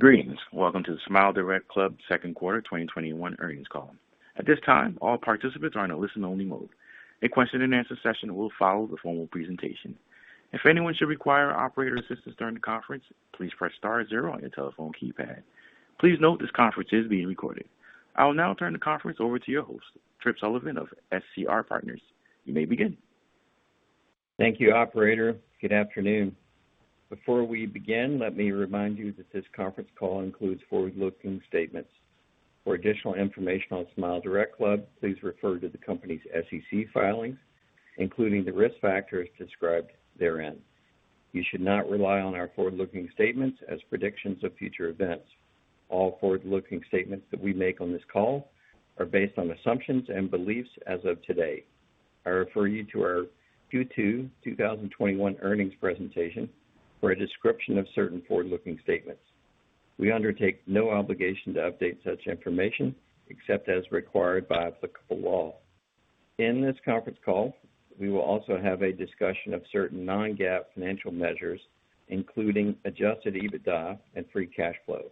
Greetings. Welcome to the SmileDirectClub second quarter 2021 earnings call. At this time all participants are on listen-only mode. A question-and-answer session will follow the formal presentation. If anyone should require operator's assistance during the conference please press star zero on your telephone keypad. Please note that this conference is being recorded. I will now turn the conference over to your host, Tripp Sullivan of SCR Partners. You may begin. Thank you, operator. Good afternoon. Before we begin, let me remind you that this conference call includes forward-looking statements. For additional information on SmileDirectClub, please refer to the company's SEC filings, including the risk factors described therein. You should not rely on our forward-looking statements as predictions of future events. All forward-looking statements that we make on this call are based on assumptions and beliefs as of today. I refer you to our Q2 2021 earnings presentation for a description of certain forward-looking statements. We undertake no obligation to update such information, except as required by applicable law. In this conference call, we will also have a discussion of certain non-GAAP financial measures, including adjusted EBITDA and free cash flow.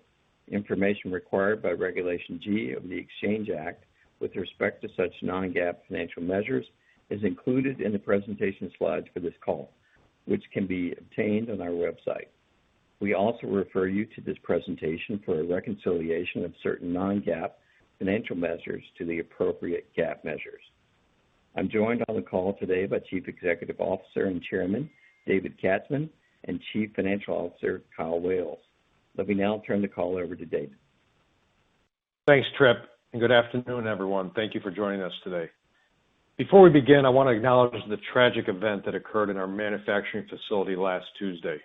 Information required by Regulation G of the Exchange Act with respect to such non-GAAP financial measures is included in the presentation slides for this call, which can be obtained on our website. We also refer you to this presentation for a reconciliation of certain non-GAAP financial measures to the appropriate GAAP measures. I'm joined on the call today by Chief Executive Officer and Chairman, David Katzman, and Chief Financial Officer, Kyle Wailes. Let me now turn the call over to David. Thanks, Tripp, and good afternoon, everyone. Thank you for joining us today. Before we begin, I want to acknowledge the tragic event that occurred in our manufacturing facility last Tuesday.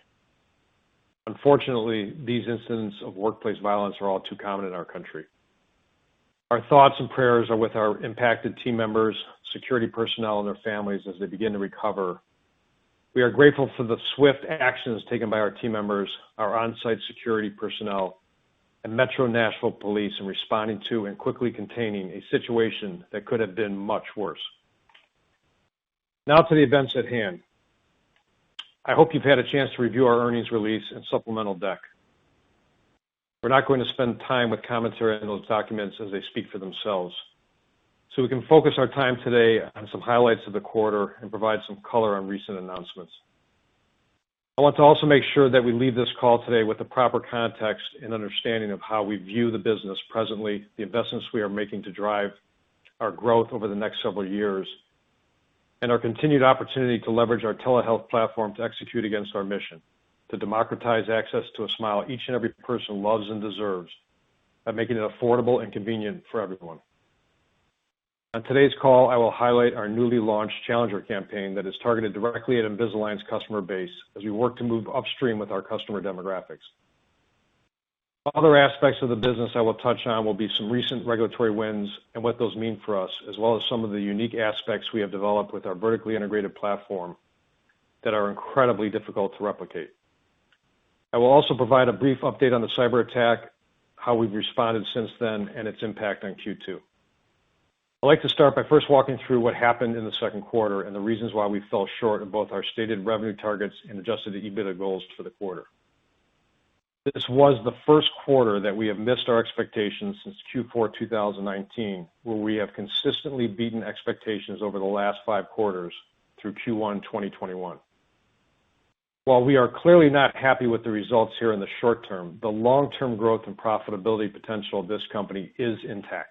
Unfortunately, these incidents of workplace violence are all too common in our country. Our thoughts and prayers are with our impacted team members, security personnel, and their families as they begin to recover. We are grateful for the swift actions taken by our team members, our on-site security personnel, and Metro Nashville Police in responding to and quickly containing a situation that could have been much worse. Now to the events at hand. I hope you've had a chance to review our earnings release and supplemental deck. We're not going to spend time with commentary on those documents as they speak for themselves. We can focus our time today on some highlights of the quarter and provide some color on recent announcements. I want to also make sure that we leave this call today with the proper context and understanding of how we view the business presently, the investments we are making to drive our growth over the next several years, and our continued opportunity to leverage our telehealth platform to execute against our mission. To democratize access to a smile each and every person loves and deserves by making it affordable and convenient for everyone. On today's call, I will highlight our newly launched Challenger campaign that is targeted directly at Invisalign's customer base as we work to move upstream with our customer demographics. Other aspects of the business I will touch on will be some recent regulatory wins and what those mean for us, as well as some of the unique aspects we have developed with our vertically integrated platform that are incredibly difficult to replicate. I will also provide a brief update on the cyberattack, how we've responded since then, and its impact on Q2. I'd like to start by first walking through what happened in the second quarter and the reasons why we fell short of both our stated revenue targets and adjusted EBITDA goals for the quarter. This was the first quarter that we have missed our expectations since Q4 2019, where we have consistently beaten expectations over the last five quarters through Q1 2021. While we are clearly not happy with the results here in the short term, the long-term growth and profitability potential of this company is intact,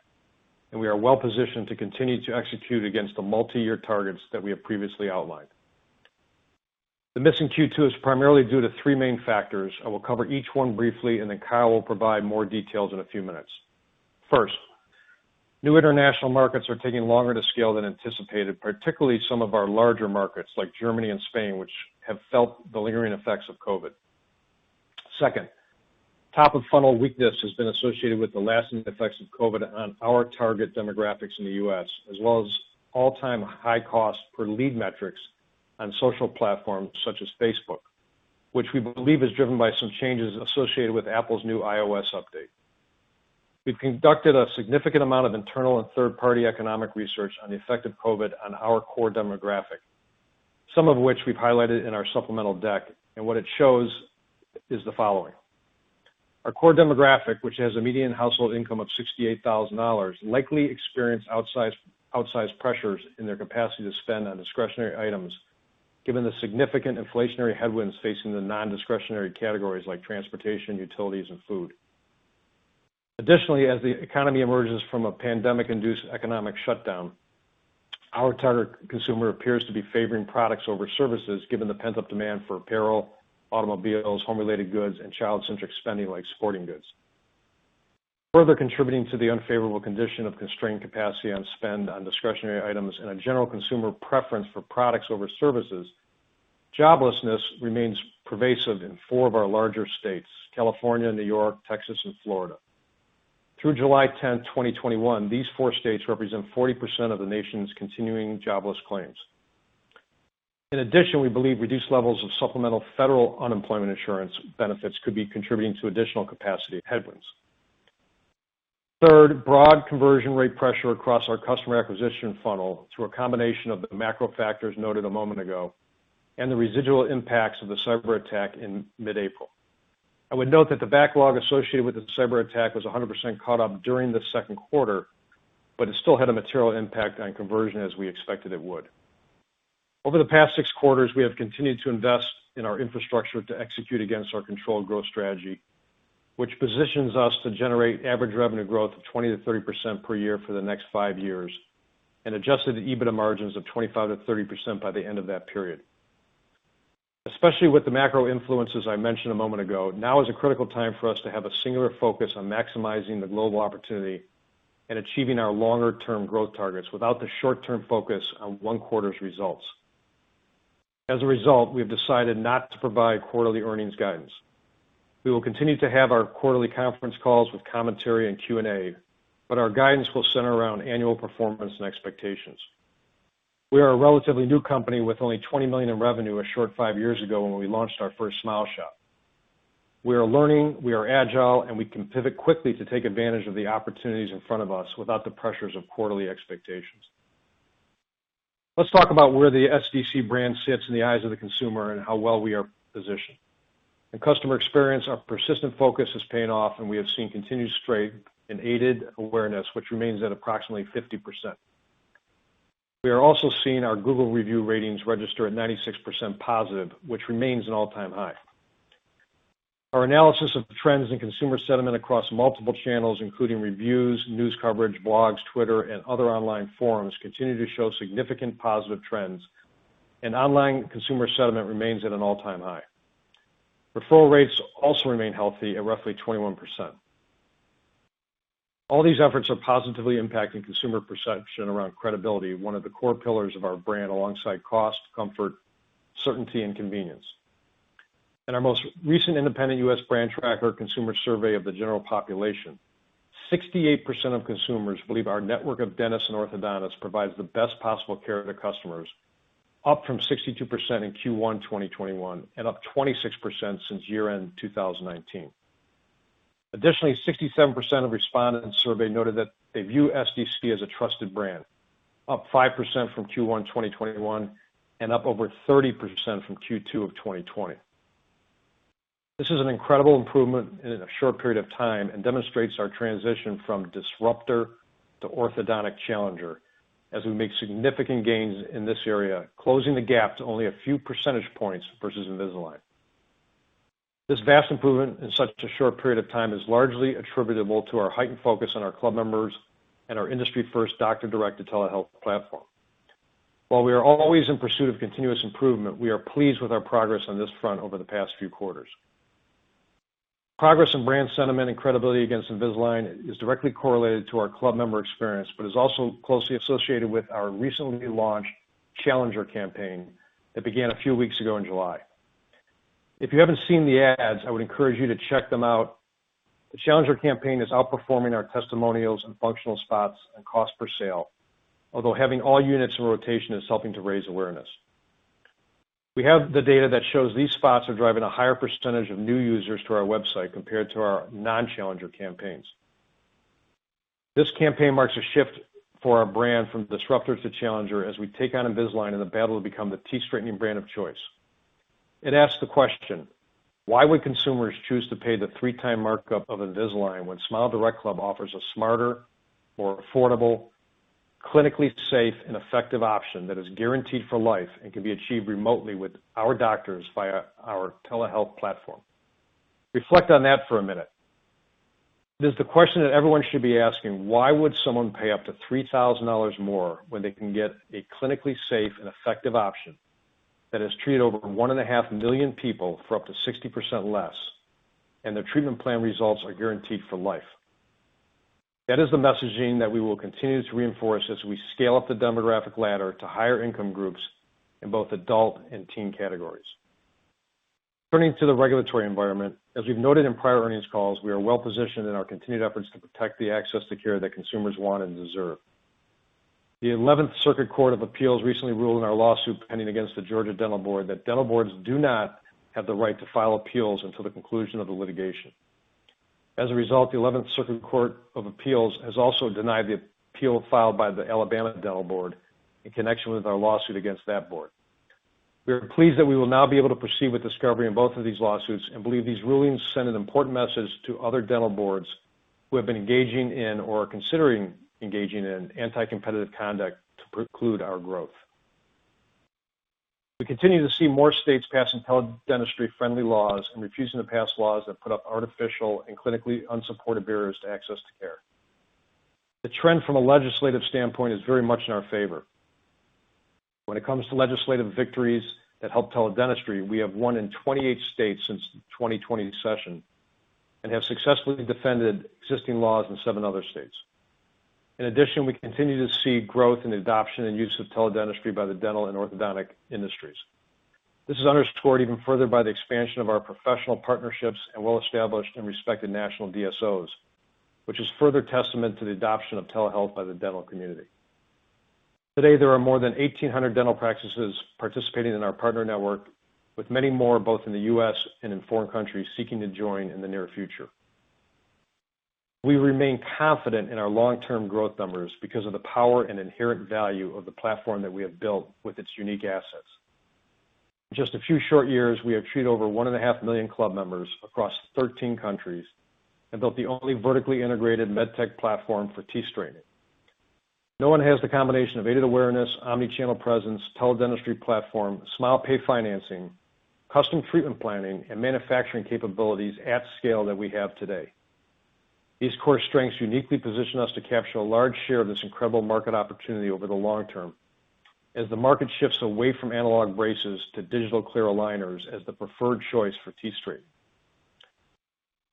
and we are well positioned to continue to execute against the multi-year targets that we have previously outlined. The missing Q2 is primarily due to three main factors. I will cover each one briefly, and then Kyle will provide more details in a few minutes. First, new international markets are taking longer to scale than anticipated, particularly some of our larger markets like Germany and Spain, which have felt the lingering effects of COVID. Second, top of funnel weakness has been associated with the lasting effects of COVID on our target demographics in the U.S., as well as all-time high cost per lead metrics on social platforms such as Facebook, which we believe is driven by some changes associated with Apple's new iOS update. We've conducted a significant amount of internal and third-party economic research on the effect of COVID on our core demographic, some of which we've highlighted in our supplemental deck, and what it shows is the following. Our core demographic, which has a median household income of $68,000, likely experienced outsized pressures in their capacity to spend on discretionary items, given the significant inflationary headwinds facing the non-discretionary categories like transportation, utilities, and food. Additionally, as the economy emerges from a pandemic induced economic shutdown, our target consumer appears to be favoring products over services, given the pent-up demand for apparel, automobiles, home related goods, and child centric spending like sporting goods. Further contributing to the unfavorable condition of constrained capacity on spend on discretionary items and a general consumer preference for products over services, joblessness remains pervasive in four of our larger states, California, New York, Texas, and Florida. Through July 10th, 2021, these four states represent 40% of the nation's continuing jobless claims. In addition, we believe reduced levels of supplemental federal unemployment insurance benefits could be contributing to additional capacity headwinds. Third, broad conversion rate pressure across our customer acquisition funnel through a combination of the macro factors noted a moment ago and the residual impacts of the cyber attack in mid-April. I would note that the backlog associated with the cyber attack was 100% caught up during the second quarter, but it still had a material impact on conversion as we expected it would. Over the past six quarters, we have continued to invest in our infrastructure to execute against our controlled growth strategy, which positions us to generate average revenue growth of 20%-30% per year for the next five years, and adjusted EBITDA margins of 25%-30% by the end of that period. Especially with the macro influences I mentioned a moment ago, now is a critical time for us to have a singular focus on maximizing the global opportunity and achieving our longer-term growth targets without the short-term focus on one quarter's results. As a result, we have decided not to provide quarterly earnings guidance. We will continue to have our quarterly conference calls with commentary and Q&A, but our guidance will center around annual performance and expectations. We are a relatively new company with only $20 million in revenue a short five years ago when we launched our first SmileShop. We are learning, we are agile, and we can pivot quickly to take advantage of the opportunities in front of us without the pressures of quarterly expectations. Let's talk about where the SDC brand sits in the eyes of the consumer and how well we are positioned. In customer experience, our persistent focus is paying off, and we have seen continued strength in aided awareness, which remains at approximately 50%. We are also seeing our Google Reviews ratings register at 96% positive, which remains an all-time high. Our analysis of trends in consumer sentiment across multiple channels, including reviews, news coverage, blogs, Twitter, and other online forums, continue to show significant positive trends, and online consumer sentiment remains at an all-time high. Referral rates also remain healthy at roughly 21%. All these efforts are positively impacting consumer perception around credibility, one of the core pillars of our brand, alongside cost, comfort, certainty, and convenience. In our most recent independent U.S. brand tracker consumer survey of the general population, 68% of consumers believe our network of dentists and orthodontists provides the best possible care to customers, up from 62% in Q1 2021 and up 26% since year-end 2019. Additionally, 67% of respondents surveyed noted that they view SDC as a trusted brand, up 5% from Q1 2021 and up over 30% from Q2 of 2020. This is an incredible improvement in a short period of time and demonstrates our transition from disruptor to orthodontic challenger as we make significant gains in this area, closing the gap to only a few percentage points versus Invisalign. This vast improvement in such a short period of time is largely attributable to our heightened focus on our Club members and our industry-first doctor-directed telehealth platform. While we are always in pursuit of continuous improvement, we are pleased with our progress on this front over the past few quarters. Progress in brand sentiment and credibility against Invisalign is directly correlated to our Club member experience, but is also closely associated with our recently launched Challenger campaign that began a few weeks ago in July. If you haven't seen the ads, I would encourage you to check them out. The Challenger campaign is outperforming our testimonials and functional spots on cost per sale. Although having all units in rotation is helping to raise awareness. We have the data that shows these spots are driving a higher percentage of new users to our website compared to our non-Challenger campaigns. This campaign marks a shift for our brand from disruptor to challenger as we take on Invisalign in the battle to become the teeth straightening brand of choice. It asks the question, why would consumers choose to pay the three-time markup of Invisalign when SmileDirectClub offers a smarter, more affordable, clinically safe, and effective option that is guaranteed for life and can be achieved remotely with our doctors via our telehealth platform? Reflect on that for a minute. It is the question that everyone should be asking. Why would someone pay up to $3,000 more when they can get a clinically safe and effective option that has treated over 1.5 million people for up to 60% less, and their treatment plan results are guaranteed for life? That is the messaging that we will continue to reinforce as we scale up the demographic ladder to higher income groups in both adult and teen categories. Turning to the regulatory environment, as we've noted in prior earnings calls, we are well positioned in our continued efforts to protect the access to care that consumers want and deserve. The Eleventh Circuit Court of Appeals recently ruled in our lawsuit pending against the Georgia Board of Dentistry that dental boards do not have the right to file appeals until the conclusion of the litigation. As a result, the Eleventh Circuit Court of Appeals has also denied the appeal filed by the Alabama Board of Dentistry in connection with our lawsuit against that board. We are pleased that we will now be able to proceed with discovery in both of these lawsuits and believe these rulings send an important message to other dental boards who have been engaging in or are considering engaging in anti-competitive conduct to preclude our growth. We continue to see more states pass teledentistry friendly laws and refusing to pass laws that put up artificial and clinically unsupported barriers to access to care. The trend from a legislative standpoint is very much in our favor. When it comes to legislative victories that help teledentistry, we have won in 28 states since the 2020 session and have successfully defended existing laws in seven other states. In addition, we continue to see growth in adoption and use of teledentistry by the dental and orthodontic industries. This is underscored even further by the expansion of our professional partnerships and well-established and respected national DSOs, which is further testament to the adoption of telehealth by the dental community. Today, there are more than 1,800 dental practices participating in our partner network, with many more, both in the U.S. and in foreign countries, seeking to join in the near future. We remain confident in our long-term growth numbers because of the power and inherent value of the platform that we have built with its unique assets. In just a few short years, we have treated over 1.5 million club members across 13 countries and built the only vertically integrated medtech platform for teeth straightening. No one has the combination of aided awareness, omni-channel presence, teledentistry platform, SmilePay financing, custom treatment planning, and manufacturing capabilities at scale that we have today. These core strengths uniquely position us to capture a large share of this incredible market opportunity over the long term, as the market shifts away from analog braces to digital clear aligners as the preferred choice for teeth straightening.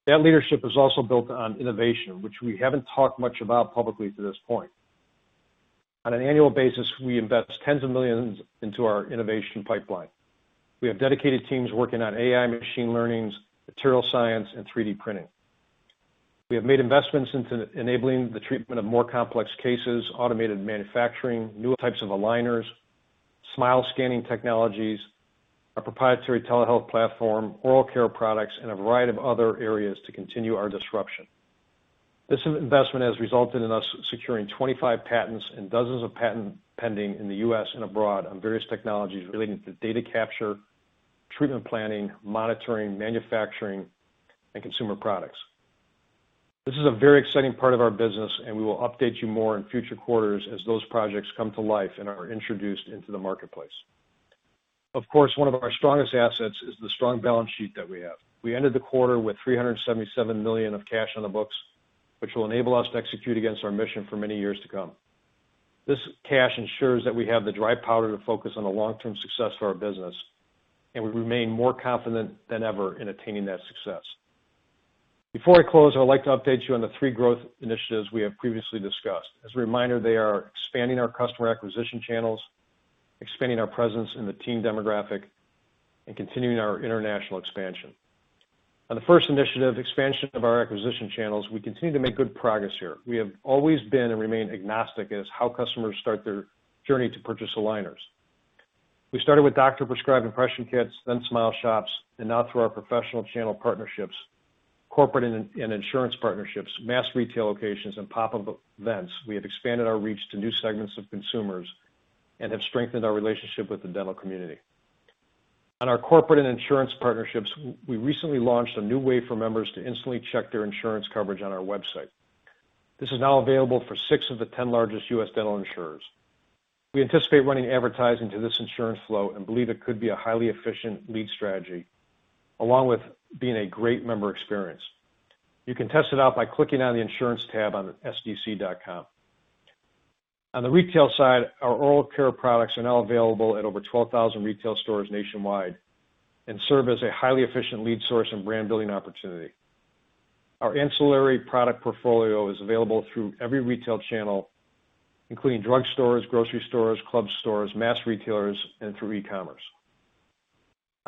That leadership is also built on innovation, which we haven't talked much about publicly to this point. On an annual basis, we invest tens of millions into our innovation pipeline. We have dedicated teams working on AI machine learnings, material science, and 3D printing. We have made investments into enabling the treatment of more complex cases, automated manufacturing, new types of aligners, smile scanning technologies, our proprietary telehealth platform, oral care products, and a variety of other areas to continue our disruption. This investment has resulted in us securing 25 patents and dozens of patent pending in the U.S. and abroad on various technologies relating to data capture, treatment planning, monitoring, manufacturing, and consumer products. This is a very exciting part of our business, and we will update you more in future quarters as those projects come to life and are introduced into the marketplace. Of course, one of our strongest assets is the strong balance sheet that we have. We ended the quarter with $377 million of cash on the books, which will enable us to execute against our mission for many years to come. This cash ensures that we have the dry powder to focus on the long-term success of our business, and we remain more confident than ever in attaining that success. Before I close, I would like to update you on the three growth initiatives we have previously discussed. As a reminder, they are expanding our customer acquisition channels, expanding our presence in the teen demographic, and continuing our international expansion. On the first initiative, expansion of our acquisition channels, we continue to make good progress here. We have always been and remain agnostic as how customers start their journey to purchase aligners. We started with doctor-prescribed impression kits, then SmileShops, and now through our professional channel partnerships, corporate and insurance partnerships, mass retail locations, and pop-up events. We have expanded our reach to new segments of consumers and have strengthened our relationship with the dental community. On our corporate and insurance partnerships, we recently launched a new way for members to instantly check their insurance coverage on our website. This is now available for six of the 10 largest U.S. dental insurers. We anticipate running advertising to this insurance flow and believe it could be a highly efficient lead strategy, along with being a great member experience. You can test it out by clicking on the Insurance tab on sdc.com. On the retail side, our oral care products are now available at over 12,000 retail stores nationwide and serve as a highly efficient lead source and brand building opportunity. Our ancillary product portfolio is available through every retail channel, including drugstores, grocery stores, club stores, mass retailers, and through e-commerce.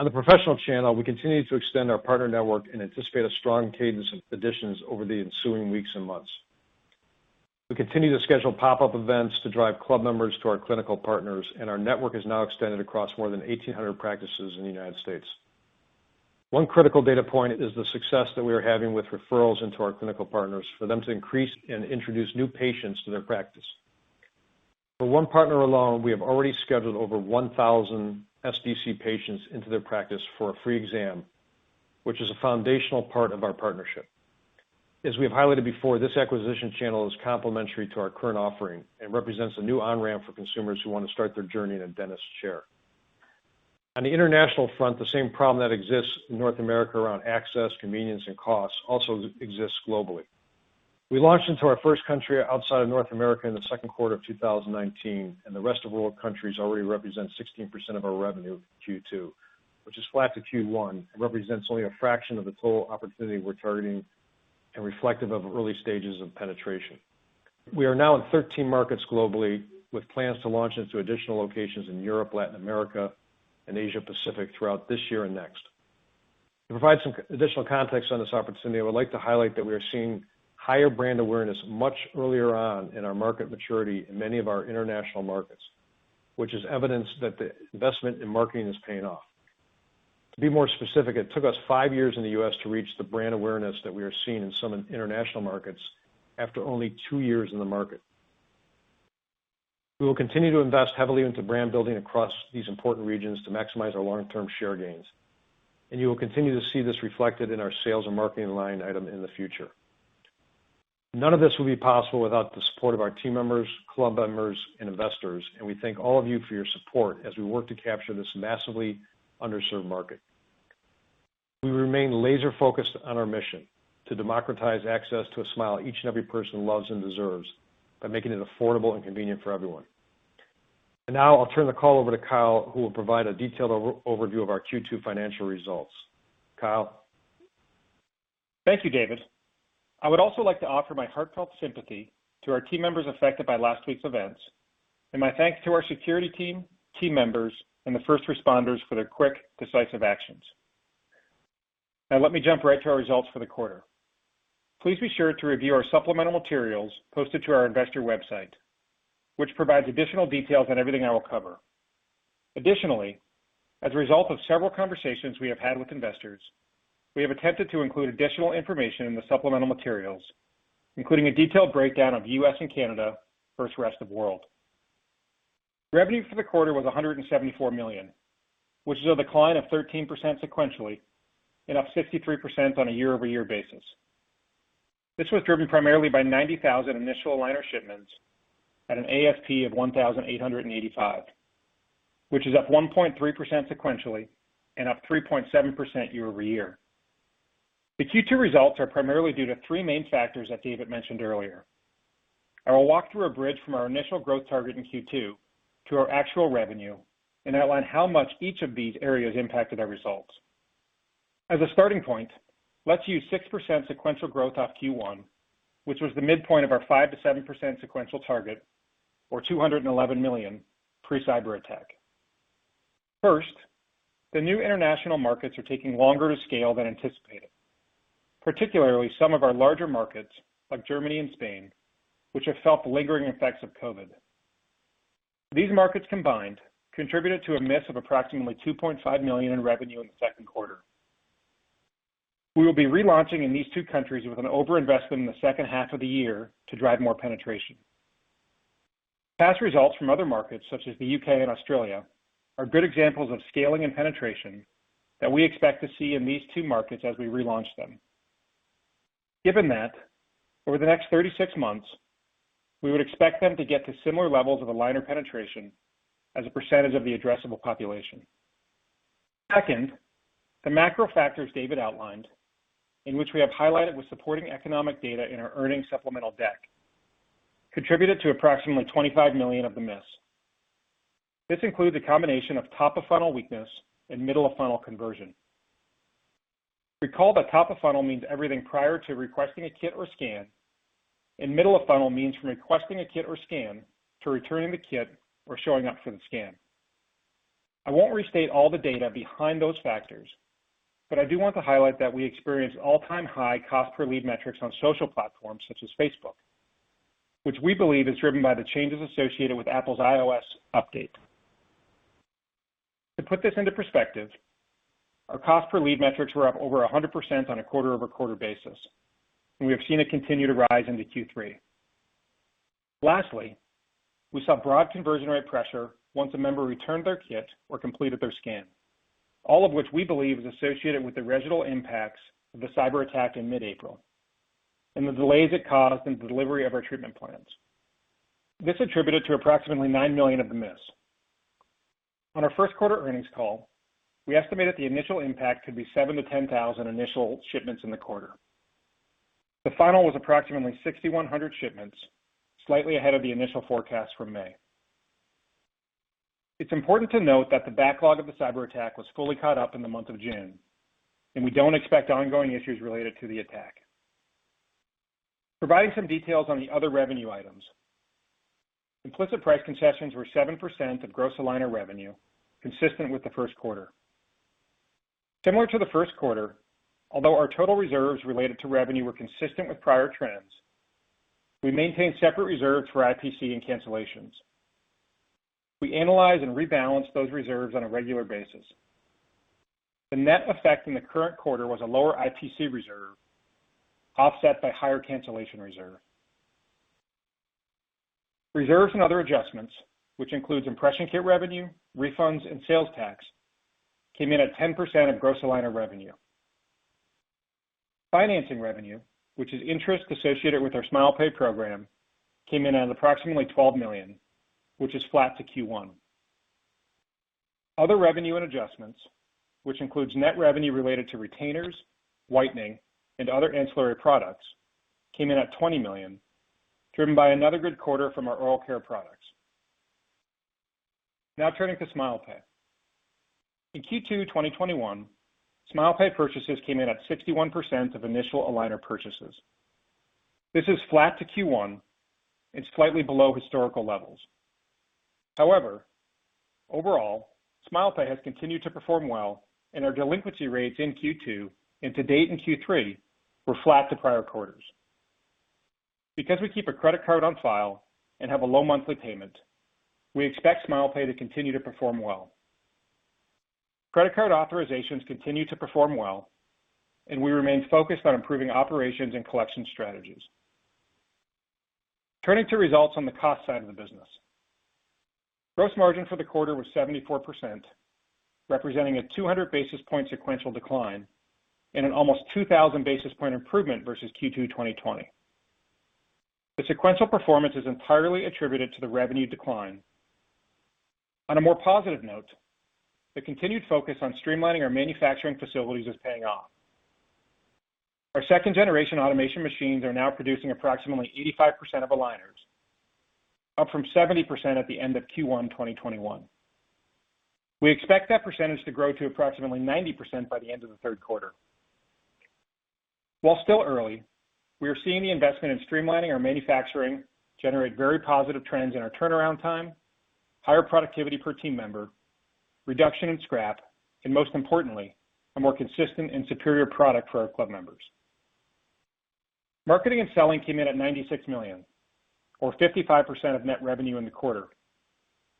On the professional channel, we continue to extend our partner network and anticipate a strong cadence of additions over the ensuing weeks and months. We continue to schedule pop-up events to drive club members to our clinical partners, and our network is now extended across more than 1,800 practices in the U.S. One critical data point is the success that we are having with referrals into our clinical partners for them to increase and introduce new patients to their practice. For one partner alone, we have already scheduled over 1,000 SDC patients into their practice for a free exam, which is a foundational part of our partnership. As we have highlighted before, this acquisition channel is complementary to our current offering and represents a new on-ramp for consumers who want to start their journey in a dentist's chair. On the international front, the same problem that exists in North America around access, convenience, and cost also exists globally. We launched into our first country outside of North America in the second quarter of 2019, and the rest of world countries already represent 16% of our revenue Q2, which is flat to Q1 and represents only a fraction of the total opportunity we're targeting and reflective of early stages of penetration. We are now in 13 markets globally, with plans to launch into additional locations in Europe, Latin America, and Asia Pacific throughout this year and next. To provide some additional context on this opportunity, I would like to highlight that we are seeing higher brand awareness much earlier on in our market maturity in many of our international markets, which is evidence that the investment in marketing is paying off. To be more specific, it took us five years in the U.S. to reach the brand awareness that we are seeing in some international markets after only two years in the market. We will continue to invest heavily into brand building across these important regions to maximize our long-term share gains, and you will continue to see this reflected in our sales and marketing line item in the future. None of this would be possible without the support of our team members, club members, and investors, and we thank all of you for your support as we work to capture this massively underserved market. We remain laser focused on our mission to democratize access to a smile each and every person loves and deserves by making it affordable and convenient for everyone. Now I'll turn the call over to Kyle, who will provide a detailed overview of our Q2 financial results. Kyle? Thank you, David. I would also like to offer my heartfelt sympathy to our team members affected by last week's events and my thanks to our security team members, and the first responders for their quick, decisive actions. Now let me jump right to our results for the quarter. Please be sure to review our supplemental materials posted to our investor website, which provides additional details on everything I will cover. Additionally, as a result of several conversations we have had with investors, we have attempted to include additional information in the supplemental materials, including a detailed breakdown of U.S. and Canada versus rest of world. Revenue for the quarter was $174 million, which is a decline of 13% sequentially and up 53% on a year-over-year basis. This was driven primarily by 90,000 initial aligner shipments at an ASP of $1,885, which is up 1.3% sequentially and up 3.7% year-over-year. The Q2 results are primarily due to three main factors that David mentioned earlier. I will walk through a bridge from our initial growth target in Q2 to our actual revenue and outline how much each of these areas impacted our results. As a starting point, let's use 6% sequential growth off Q1, which was the midpoint of our 5%-7% sequential target, or $211 million pre-cyberattack. First, the new international markets are taking longer to scale than anticipated, particularly some of our larger markets like Germany and Spain, which have felt the lingering effects of COVID. These markets combined contributed to a miss of approximately $2.5 million in revenue in the second quarter. We will be relaunching in these two countries with an over-investment in the second half of the year to drive more penetration. Past results from other markets, such as the U.K. and Australia, are good examples of scaling and penetration that we expect to see in these two markets as we relaunch them. Given that, over the next 36 months, we would expect them to get to similar levels of aligner penetration as a percentage of the addressable population. Second, the macro factors David outlined, and which we have highlighted with supporting economic data in our earnings supplemental deck, contributed to approximately $25 million of the miss. This includes a combination of top-of-funnel weakness and middle-of-funnel conversion. Recall that top-of-funnel means everything prior to requesting a kit or scan, and middle-of-funnel means from requesting a kit or scan to returning the kit or showing up for the scan. I won't restate all the data behind those factors, but I do want to highlight that we experienced all-time high cost per lead metrics on social platforms such as Facebook, which we believe is driven by the changes associated with Apple's iOS update. To put this into perspective, our cost per lead metrics were up over 100% on a quarter-over-quarter basis, and we have seen it continue to rise into Q3. Lastly, we saw broad conversion rate pressure once a member returned their kit or completed their scan, all of which we believe is associated with the residual impacts of the cyberattack in mid-April and the delays it caused in the delivery of our treatment plans. This attributed to approximately $9 million of the miss. On our first quarter earnings call, we estimated the initial impact could be 7,000-10,000 initial shipments in the quarter. The final was approximately 6,100 shipments, slightly ahead of the initial forecast from May. It's important to note that the backlog of the cyberattack was fully caught up in the month of June, and we don't expect ongoing issues related to the attack. Providing some details on the other revenue items. Implicit price concessions were 7% of gross aligner revenue, consistent with the first quarter. Similar to the first quarter, although our total reserves related to revenue were consistent with prior trends, we maintained separate reserves for IPC and cancellations. We analyze and rebalance those reserves on a regular basis. The net effect in the current quarter was a lower IPC reserve offset by higher cancellation reserve. Reserves and other adjustments, which includes impression kit revenue, refunds, and sales tax, came in at 10% of gross aligner revenue. Financing revenue, which is interest associated with our SmilePay program, came in at approximately $12 million, which is flat to Q1. Other revenue and adjustments, which includes net revenue related to retainers, whitening, and other ancillary products, came in at $20 million, driven by another good quarter from our oral care products. Now turning to SmilePay. In Q2 2021, SmilePay purchases came in at 61% of initial aligner purchases. This is flat to Q1 and slightly below historical levels. However, overall, SmilePay has continued to perform well, and our delinquency rates in Q2 and to date in Q3 were flat to prior quarters. Because we keep a credit card on file and have a low monthly payment, we expect SmilePay to continue to perform well. Credit card authorizations continue to perform well, and we remain focused on improving operations and collection strategies. Turning to results on the cost side of the business. Gross margin for the quarter was 74%, representing a 200 basis points sequential decline and an almost 2,000 basis points improvement versus Q2 2020. The sequential performance is entirely attributed to the revenue decline. On a more positive note, the continued focus on streamlining our manufacturing facilities is paying off. Our second-generation automation machines are now producing approximately 85% of aligners, up from 70% at the end of Q1 2021. We expect that percentage to grow to approximately 90% by the end of the third quarter. While still early, we are seeing the investment in streamlining our manufacturing generate very positive trends in our turnaround time, higher productivity per team member, reduction in scrap, and most importantly, a more consistent and superior product for our club members. Marketing and selling came in at $96 million, or 55% of net revenue in the quarter,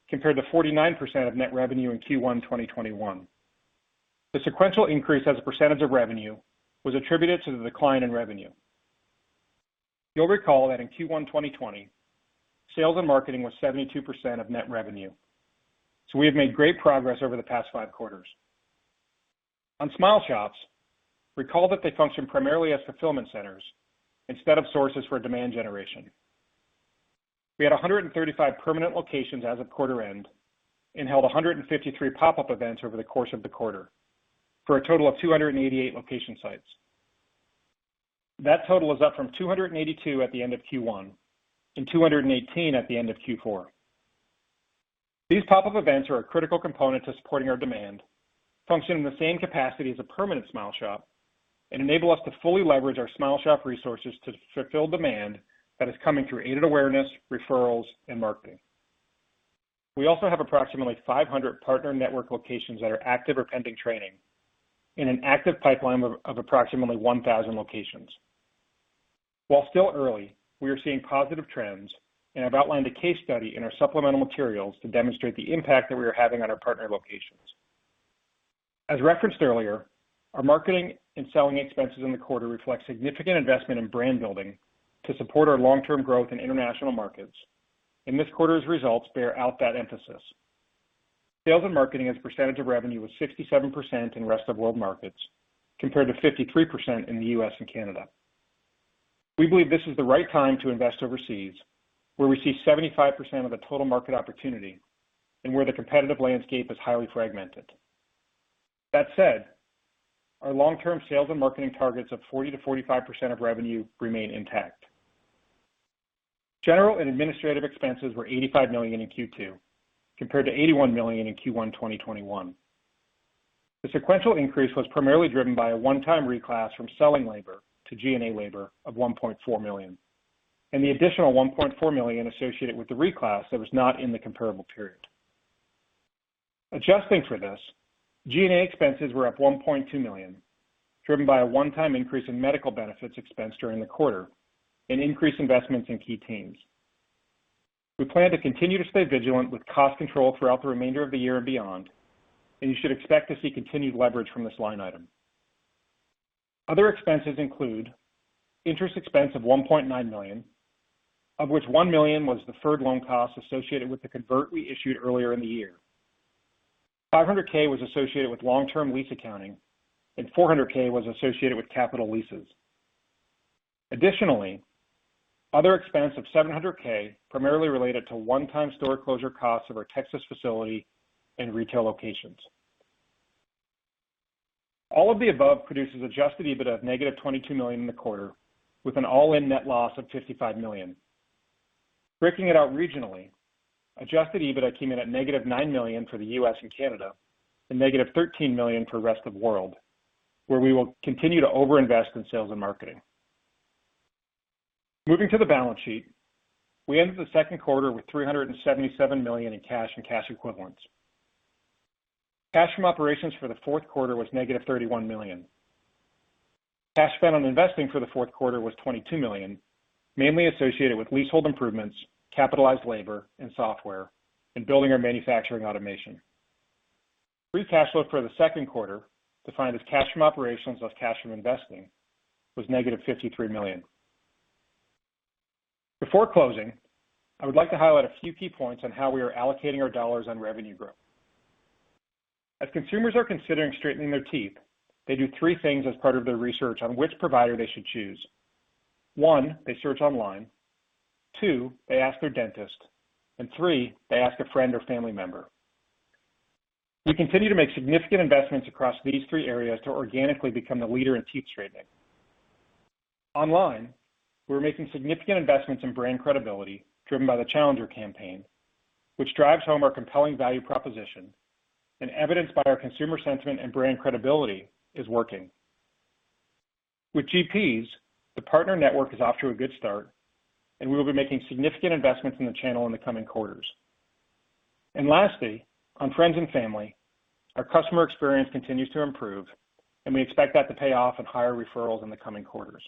compared to 49% of net revenue in Q1 2021. The sequential increase as a percentage of revenue was attributed to the decline in revenue. You'll recall that in Q1 2020, sales and marketing was 72% of net revenue. We have made great progress over the past five quarters. On SmileShops, recall that they function primarily as fulfillment centers instead of sources for demand generation. We had 135 permanent locations as of quarter end and held 153 pop-up events over the course of the quarter, for a total of 288 location sites. That total is up from 282 at the end of Q1 and 218 at the end of Q4. These pop-up events are a critical component to supporting our demand, function in the same capacity as a permanent SmileShop, and enable us to fully leverage our SmileShop resources to fulfill demand that is coming through aided awareness, referrals, and marketing. We also have approximately 500 partner network locations that are active or pending training and an active pipeline of approximately 1,000 locations. While still early, we are seeing positive trends and have outlined a case study in our supplemental materials to demonstrate the impact that we are having on our partner locations. As referenced earlier, our marketing and selling expenses in the quarter reflect significant investment in brand building to support our long-term growth in international markets, and this quarter's results bear out that emphasis. Sales and marketing as a percentage of revenue was 67% in rest of world markets, compared to 53% in the U.S. and Canada. We believe this is the right time to invest overseas, where we see 75% of the total market opportunity and where the competitive landscape is highly fragmented. That said, our long-term sales and marketing targets of 40%-45% of revenue remain intact. General and administrative expenses were $85 million in Q2, compared to $81 million in Q1 2021. The sequential increase was primarily driven by a one-time reclass from selling labor to G&A labor of $1.4 million and the additional $1.4 million associated with the reclass that was not in the comparable period. Adjusting for this, G&A expenses were up $1.2 million, driven by a one-time increase in medical benefits expense during the quarter and increased investments in key teams. We plan to continue to stay vigilant with cost control throughout the remainder of the year and beyond, and you should expect to see continued leverage from this line item. Other expenses include interest expense of $1.9 million, of which $1 million was deferred loan costs associated with the convert we issued earlier in the year. $500,000 was associated with long-term lease accounting, and $400,000 was associated with capital leases. Additionally, other expense of $700,000 primarily related to one-time store closure costs of our Texas facility and retail locations. All of the above produces adjusted EBITDA of $-22 million in the quarter, with an all-in net loss of $55 million. Breaking it out regionally, adjusted EBITDA came in at $-9 million for the U.S. and Canada and $-13 million for rest of world, where we will continue to overinvest in sales and marketing. Moving to the balance sheet, we ended the second quarter with $377 million in cash and cash equivalents. Cash from operations for the fourth quarter was $-31 million. Cash spent on investing for the fourth quarter was $22 million, mainly associated with leasehold improvements, capitalized labor and software, and building our manufacturing automation. Free cash flow for the second quarter, defined as cash from operations plus cash from investing, was $-53 million. Before closing, I would like to highlight a few key points on how we are allocating our dollars on revenue growth. As consumers are considering straightening their teeth, they do three things as part of their research on which provider they should choose. One, they search online. Two, they ask their dentist. Three, they ask a friend or family member. We continue to make significant investments across these three areas to organically become the leader in teeth straightening. Online, we're making significant investments in brand credibility driven by the Challenger campaign, which drives home our compelling value proposition and evidenced by our consumer sentiment and brand credibility is working. With GPs, the partner network is off to a good start, we will be making significant investments in the channel in the coming quarters. Lastly, on friends and family, our customer experience continues to improve, and we expect that to pay off in higher referrals in the coming quarters.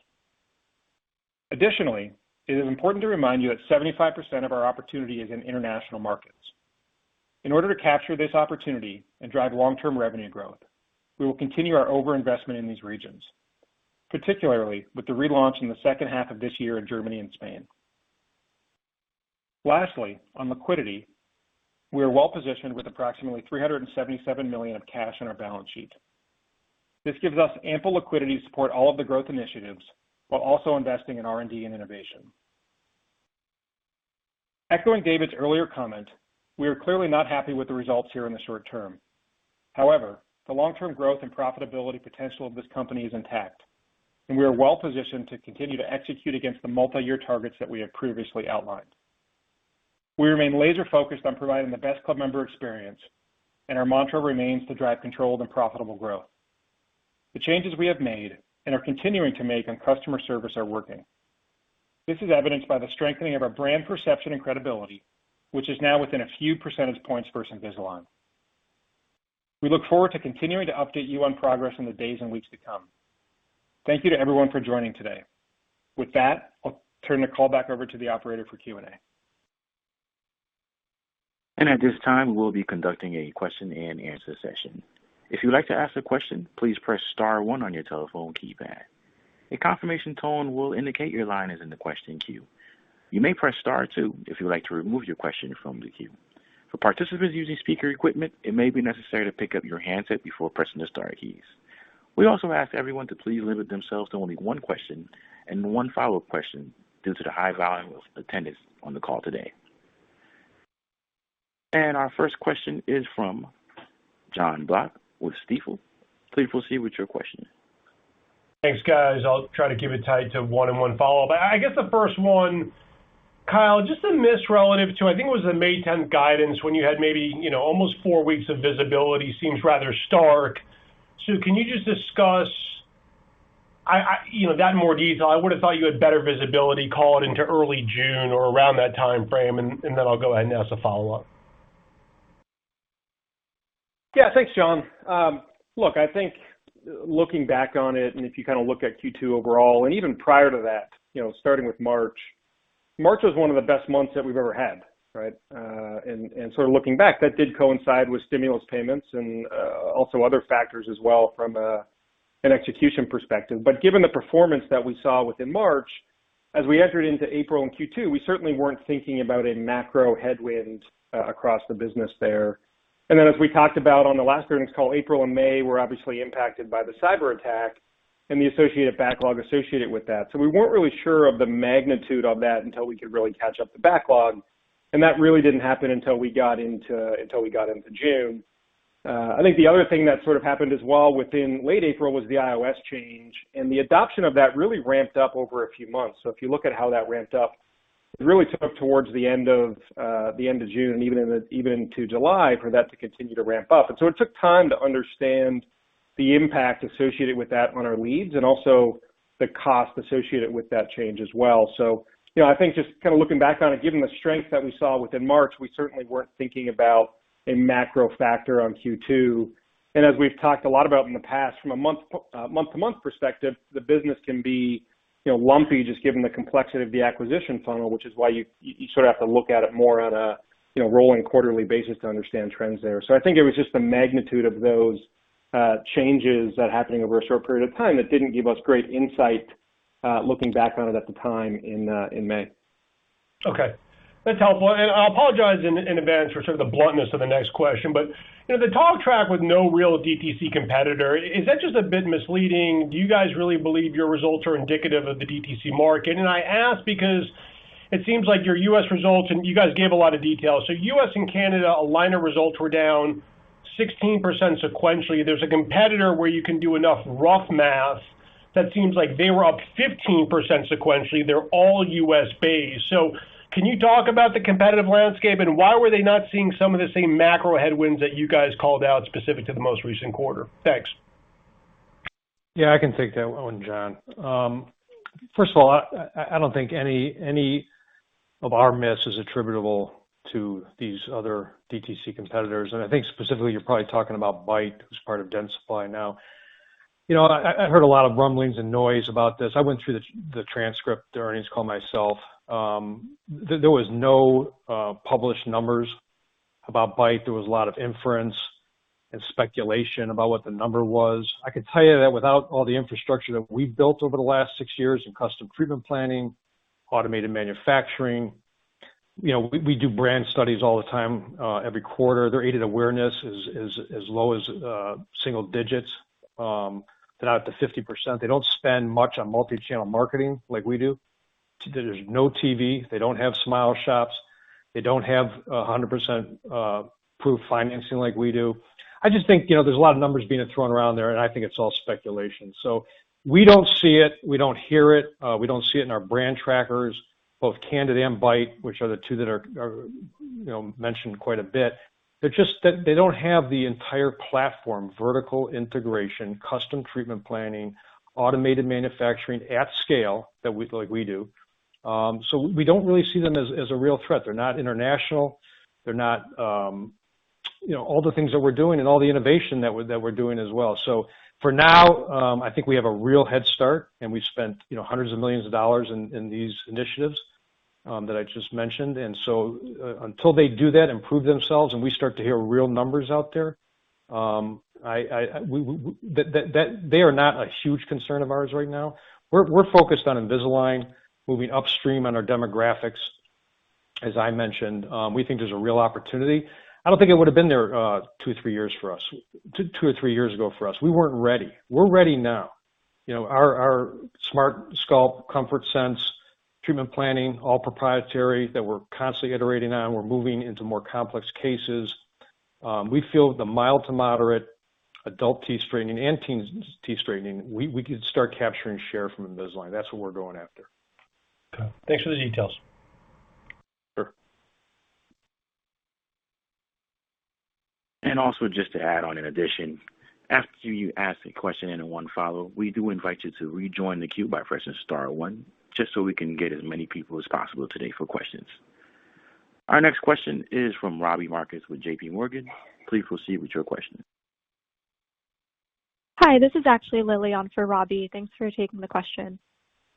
Additionally, it is important to remind you that 75% of our opportunity is in international markets. In order to capture this opportunity and drive long-term revenue growth, we will continue our overinvestment in these regions, particularly with the relaunch in the second half of this year in Germany and Spain. Lastly, on liquidity, we are well positioned with approximately $377 million of cash on our balance sheet. This gives us ample liquidity to support all of the growth initiatives while also investing in R&D and innovation. Echoing David's earlier comment, we are clearly not happy with the results here in the short term. However, the long-term growth and profitability potential of this company is intact, and we are well positioned to continue to execute against the multi-year targets that we have previously outlined. We remain laser focused on providing the best club member experience, and our mantra remains to drive controlled and profitable growth. The changes we have made and are continuing to make on customer service are working. This is evidenced by the strengthening of our brand perception and credibility, which is now within a few percentage points for Invisalign. We look forward to continuing to update you on progress in the days and weeks to come. Thank you to everyone for joining today. With that, I'll turn the call back over to the operator for Q&A. At this time, we'll be conducting a question-and-answer session. If you would like to ask a question please press star one on your telephone keypad. A confirmation tone will indicate that your line is in the question queue. You may press star two if you would like to remove your question from the queue. For participants using speaker equipment it may be necessary to pick up your handset before pressing the star key. We also ask everyone to please limit themselves to only one question and one follow-up question due to the high volume of attendance on the call today. Our first question is from Jon Block with Stifel. Please proceed with your question. Thanks, guys. I'll try to keep it tight to 1 and 1 follow-up. The first one, Kyle, just a miss relative to, I think it was the May 10th guidance when you had maybe almost four weeks of visibility, seems rather stark. Can you just discuss that in more detail? I would have thought you had better visibility call it into early June or around that timeframe, then I'll go ahead and ask a follow-up. Thanks, Jon. I think looking back on it, if you kind of look at Q2 overall, and even prior to that, starting with March. March was one of the best months that we've ever had, right? Looking back, that did coincide with stimulus payments and also other factors as well from an execution perspective. Given the performance that we saw within March, as we entered into April and Q2, we certainly weren't thinking about a macro headwind across the business there. As we talked about on the last earnings call, April and May were obviously impacted by the cyberattack and the associated backlog associated with that. We weren't really sure of the magnitude of that until we could really catch up the backlog, and that really didn't happen until we got into June. I think the other thing that sort of happened as well within late April was the iOS change, and the adoption of that really ramped up over a few months. If you look at how that ramped up, it really took up towards the end of June and even into July for that to continue to ramp up. It took time to understand the impact associated with that on our leads and also the cost associated with that change as well. I think just kind of looking back on it, given the strength that we saw within March, we certainly weren't thinking about a macro factor on Q2. As we've talked a lot about in the past, from a month-over-month perspective, the business can be lumpy just given the complexity of the acquisition funnel, which is why you sort of have to look at it more on a rolling quarterly basis to understand trends there. I think it was just the magnitude of those changes that happening over a short period of time that didn't give us great insight looking back on it at the time in May. Okay. That's helpful. I'll apologize in advance for sort of the bluntness of the next question, but the talk track with no real DTC competitor, is that just a bit misleading? Do you guys really believe your results are indicative of the DTC market? I ask because it seems like your U.S. results, and you guys gave a lot of details. U.S. and Canada aligner results were down 16% sequentially. There's a competitor where you can do enough rough math that seems like they were up 15% sequentially. They're all U.S.-based. Can you talk about the competitive landscape, and why were they not seeing some of the same macro headwinds that you guys called out specific to the most recent quarter? Thanks. Yeah, I can take that one, Jon. First of all, I don't think any of our miss is attributable to these other DTC competitors. I think specifically, you're probably talking about Byte as part of Dentsply now. I heard a lot of rumblings and noise about this. I went through the transcript earnings call myself. There was no published numbers about Byte. There was a lot of inference and speculation about what the number was. I could tell you that without all the infrastructure that we've built over the last six years in custom treatment planning, automated manufacturing. We do brand studies all the time, every quarter. Their aided awareness is as low as single digits. They're not at the 50%. They don't spend much on multi-channel marketing like we do. There's no TV, they don't have SmileShops. They don't have 100% approved financing like we do. I just think there's a lot of numbers being thrown around there, and I think it's all speculation. We don't see it, we don't hear it. We don't see it in our brand trackers, both Candid and Byte, which are the 2 that are mentioned quite a bit. They don't have the entire platform, vertical integration, custom treatment planning, automated manufacturing at scale like we do. We don't really see them as a real threat. They're not international. They're not all the things that we're doing and all the innovation that we're doing as well. For now, I think we have a real head start, and we've spent hundreds of millions of dollars in these initiatives that I just mentioned. Until they do that and prove themselves, and we start to hear real numbers out there, they are not a huge concern of ours right now. We're focused on Invisalign, moving upstream on our demographics. As I mentioned, we think there's a real opportunity. I don't think it would've been there two, three years ago for us. We weren't ready. We're ready now. Our SmartSculpt Comfort Sense treatment planning, all proprietary that we're constantly iterating on. We're moving into more complex cases. We feel the mild to moderate adult teeth straightening and teen teeth straightening, we could start capturing share from Invisalign. That's what we're going after. Okay. Thanks for the details. Sure. Also just to add on in addition, after you ask a question and one follow, we do invite you to rejoin the queue by pressing star one, just so we can get as many people as possible today for questions. Our next question is from Robbie Marcus with JPMorgan. Please proceed with your question. Hi, this is actually Lily on for Robbie. Thanks for taking the question.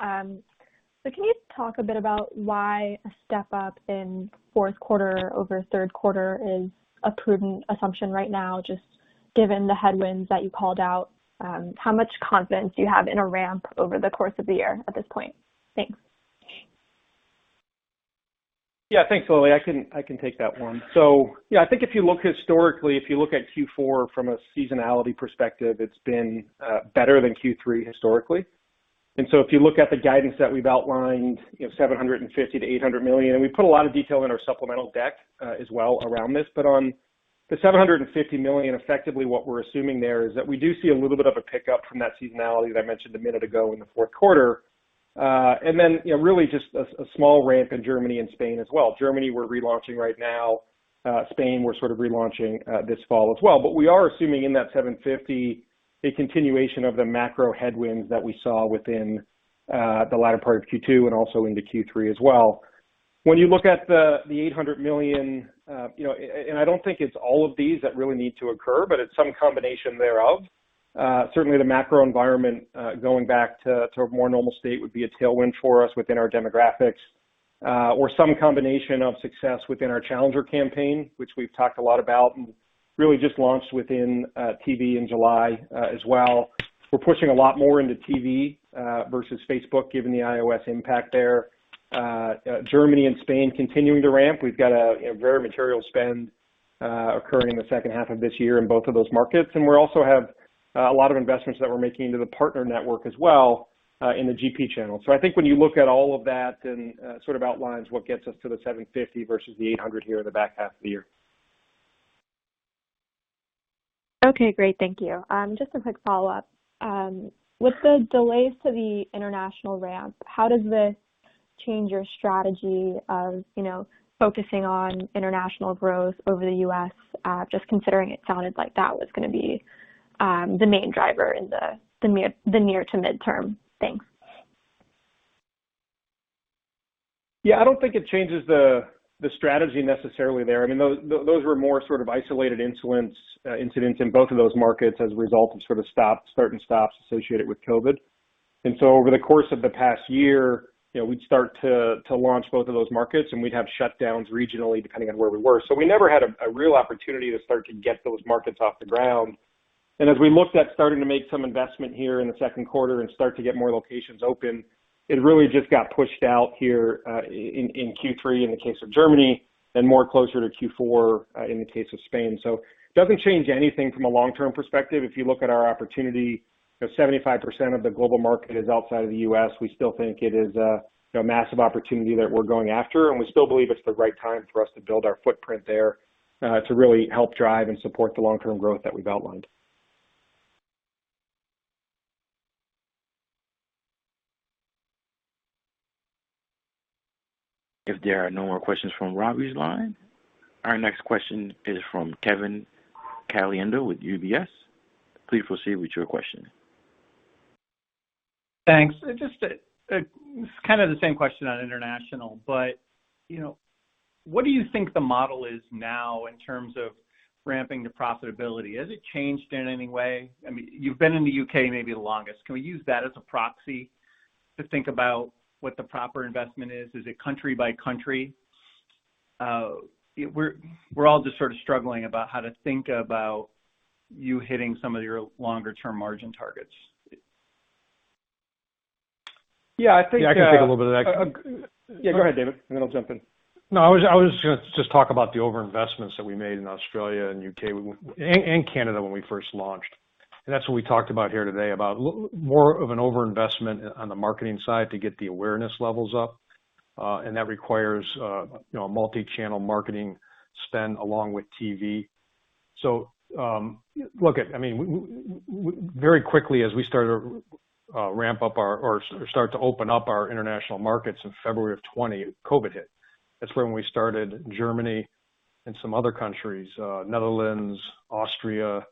Can you talk a bit about why a step up in fourth quarter over third quarter is a prudent assumption right now, just given the headwinds that you called out? How much confidence do you have in a ramp over the course of the year at this point? Thanks. Yeah, thanks, Lily. I can take that one. I think if you look historically, if you look at Q4 from a seasonality perspective, it has been better than Q3 historically. If you look at the guidance that we have outlined, $750 million-$800 million, and we put a lot of detail in our supplemental deck as well around this. On the $750 million, effectively what we are assuming there is that we do see a little bit of a pickup from that seasonality that I mentioned a minute ago in the fourth quarter. Really just a small ramp in Germany and Spain as well. Germany, we are relaunching right now. Spain, we are sort of relaunching this fall as well. We are assuming in that $750 a continuation of the macro headwinds that we saw within the latter part of Q2 and also into Q3 as well. When you look at the $800 million, I don't think it's all of these that really need to occur, it's some combination thereof. Certainly, the macro environment going back to a more normal state would be a tailwind for us within our demographics. Some combination of success within our Challenger campaign, which we've talked a lot about, and really just launched within TV in July as well. We're pushing a lot more into TV versus Facebook, given the iOS impact there. Germany and Spain continuing to ramp. We've got a very material spend occurring in the second half of this year in both of those markets. We also have a lot of investments that we're making into the partner network as well in the GP channel. I think when you look at all of that, then sort of outlines what gets us to the $750 versus the $800 here in the back half of the year. Okay, great. Thank you. Just a quick follow-up. With the delays to the international ramp, how does this change your strategy of focusing on international growth over the U.S., just considering it sounded like that was going to be the main driver in the near to midterm? Thanks. Yeah, I don't think it changes the strategy necessarily there. Those were more sort of isolated incidents in both of those markets as a result of certain stops associated with COVID. Over the course of the past year, we'd start to launch both of those markets, and we'd have shutdowns regionally, depending on where we were. We never had a real opportunity to start to get those markets off the ground. As we looked at starting to make some investment here in the second quarter and start to get more locations open, it really just got pushed out here in Q3 in the case of Germany, and more closer to Q4 in the case of Spain. It doesn't change anything from a long-term perspective. If you look at our opportunity, 75% of the global market is outside of the U.S. We still think it is a massive opportunity that we're going after, and we still believe it's the right time for us to build our footprint there to really help drive and support the long-term growth that we've outlined. If there are no more questions from Robbie's line, our next question is from Kevin Caliendo with UBS. Please proceed with your question. Thanks. Just kind of the same question on international, but what do you think the model is now in terms of ramping to profitability? Has it changed in any way? You've been in the U.K. maybe the longest. Can we use that as a proxy to think about what the proper investment is? Is it country by country? We're all just sort of struggling about how to think about you hitting some of your longer-term margin targets. Yeah. Yeah, I can take a little bit of that. Yeah, go ahead, David, and then I'll jump in. No, I was going to just talk about the over-investments that we made in Australia and U.K. and Canada when we first launched. That's what we talked about here today, about more of an over-investment on the marketing side to get the awareness levels up. That requires multi-channel marketing spend along with TV. Look, very quickly as we started to ramp up or start to open up our international markets in February of 2020, COVID hit. That's when we started Germany and some other countries, Netherlands, Austria.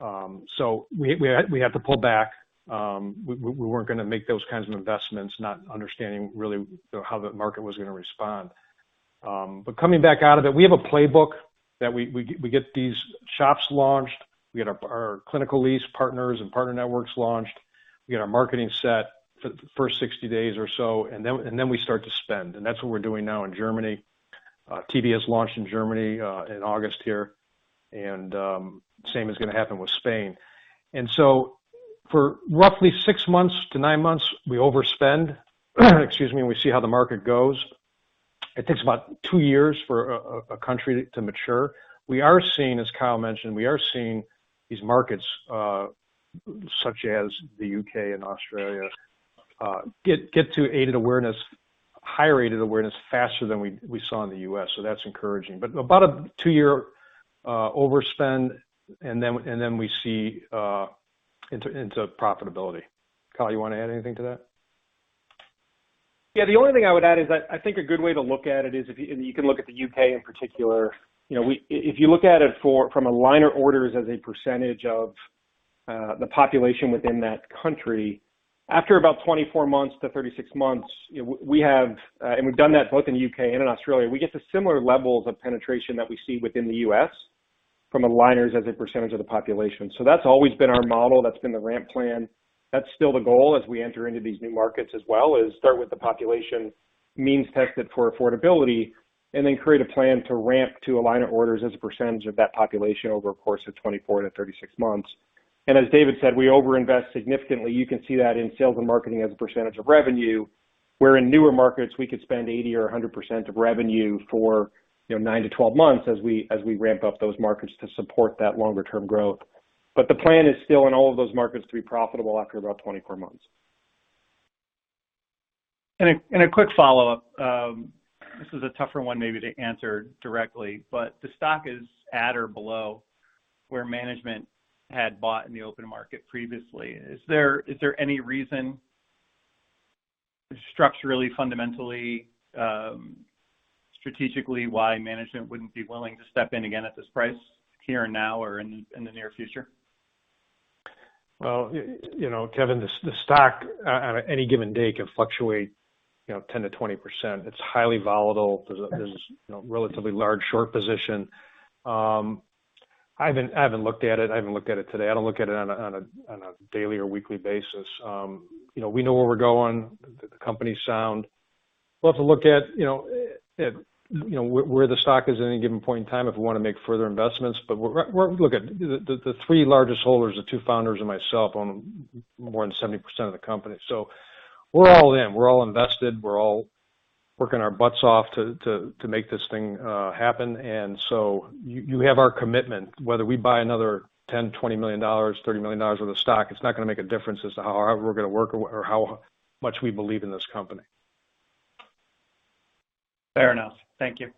We had to pull back. We weren't going to make those kinds of investments, not understanding really how the market was going to respond. Coming back out of it, we have a playbook that we get these SmileShops launched. We get our clinical lease partners and partner networks launched. We get our marketing set for 60 days or so, and then we start to spend. That's what we're doing now in Germany. TV has launched in Germany in August here, and same is going to happen with Spain. For roughly six months to nine months, we overspend, and we see how the market goes. It takes about two years for a country to mature. We are seeing, as Kyle mentioned, we are seeing these markets, such as the U.K. and Australia get to aided awareness, higher rate of awareness faster than we saw in the U.S. That's encouraging. About a two-year overspend, and then we see into profitability. Kyle, you want to add anything to that? Yeah, the only thing I would add is I think a good way to look at it is, and you can look at the U.K. in particular, if you look at it from aligner orders as a percentage of the population within that country, after about 24 months-36 months, and we've done that both in U.K. and in Australia, we get to similar levels of penetration that we see within the U.S. from aligners as a percentage of the population. That's always been our model. That's been the ramp plan. That's still the goal as we enter into these new markets as well, is start with the population means tested for affordability, and then create a plan to ramp to aligner orders as a percentage of that population over a course of 24 months-36 months. As David said, we overinvest significantly. You can see that in sales and marketing as a percentage of revenue, where in newer markets, we could spend 80% or 100% of revenue for nine to 12 months as we ramp up those markets to support that longer-term growth. The plan is still in all of those markets to be profitable after about 24 months. A quick follow-up. This is a tougher one maybe to answer directly, but the stock is at or below where management had bought in the open market previously. Is there any reason structurally, fundamentally, strategically why management wouldn't be willing to step in again at this price here and now or in the near future? Well, Kevin, the stock on any given day can fluctuate 10%-20%. It's highly volatile. There's a relatively large short position. I haven't looked at it. I haven't looked at it today. I don't look at it on a daily or weekly basis. We know where we're going. The company's sound. We'll have to look at where the stock is at any given point in time if we want to make further investments, the three largest holders, the two founders and myself, own more than 70% of the company. We're all in. We're all invested, we're all working our butts off to make this thing happen. You have our commitment, whether we buy another $10 million, $20 million, $30 million worth of stock, it's not going to make a difference as to how hard we're going to work or how much we believe in this company. Fair enough. Thank you.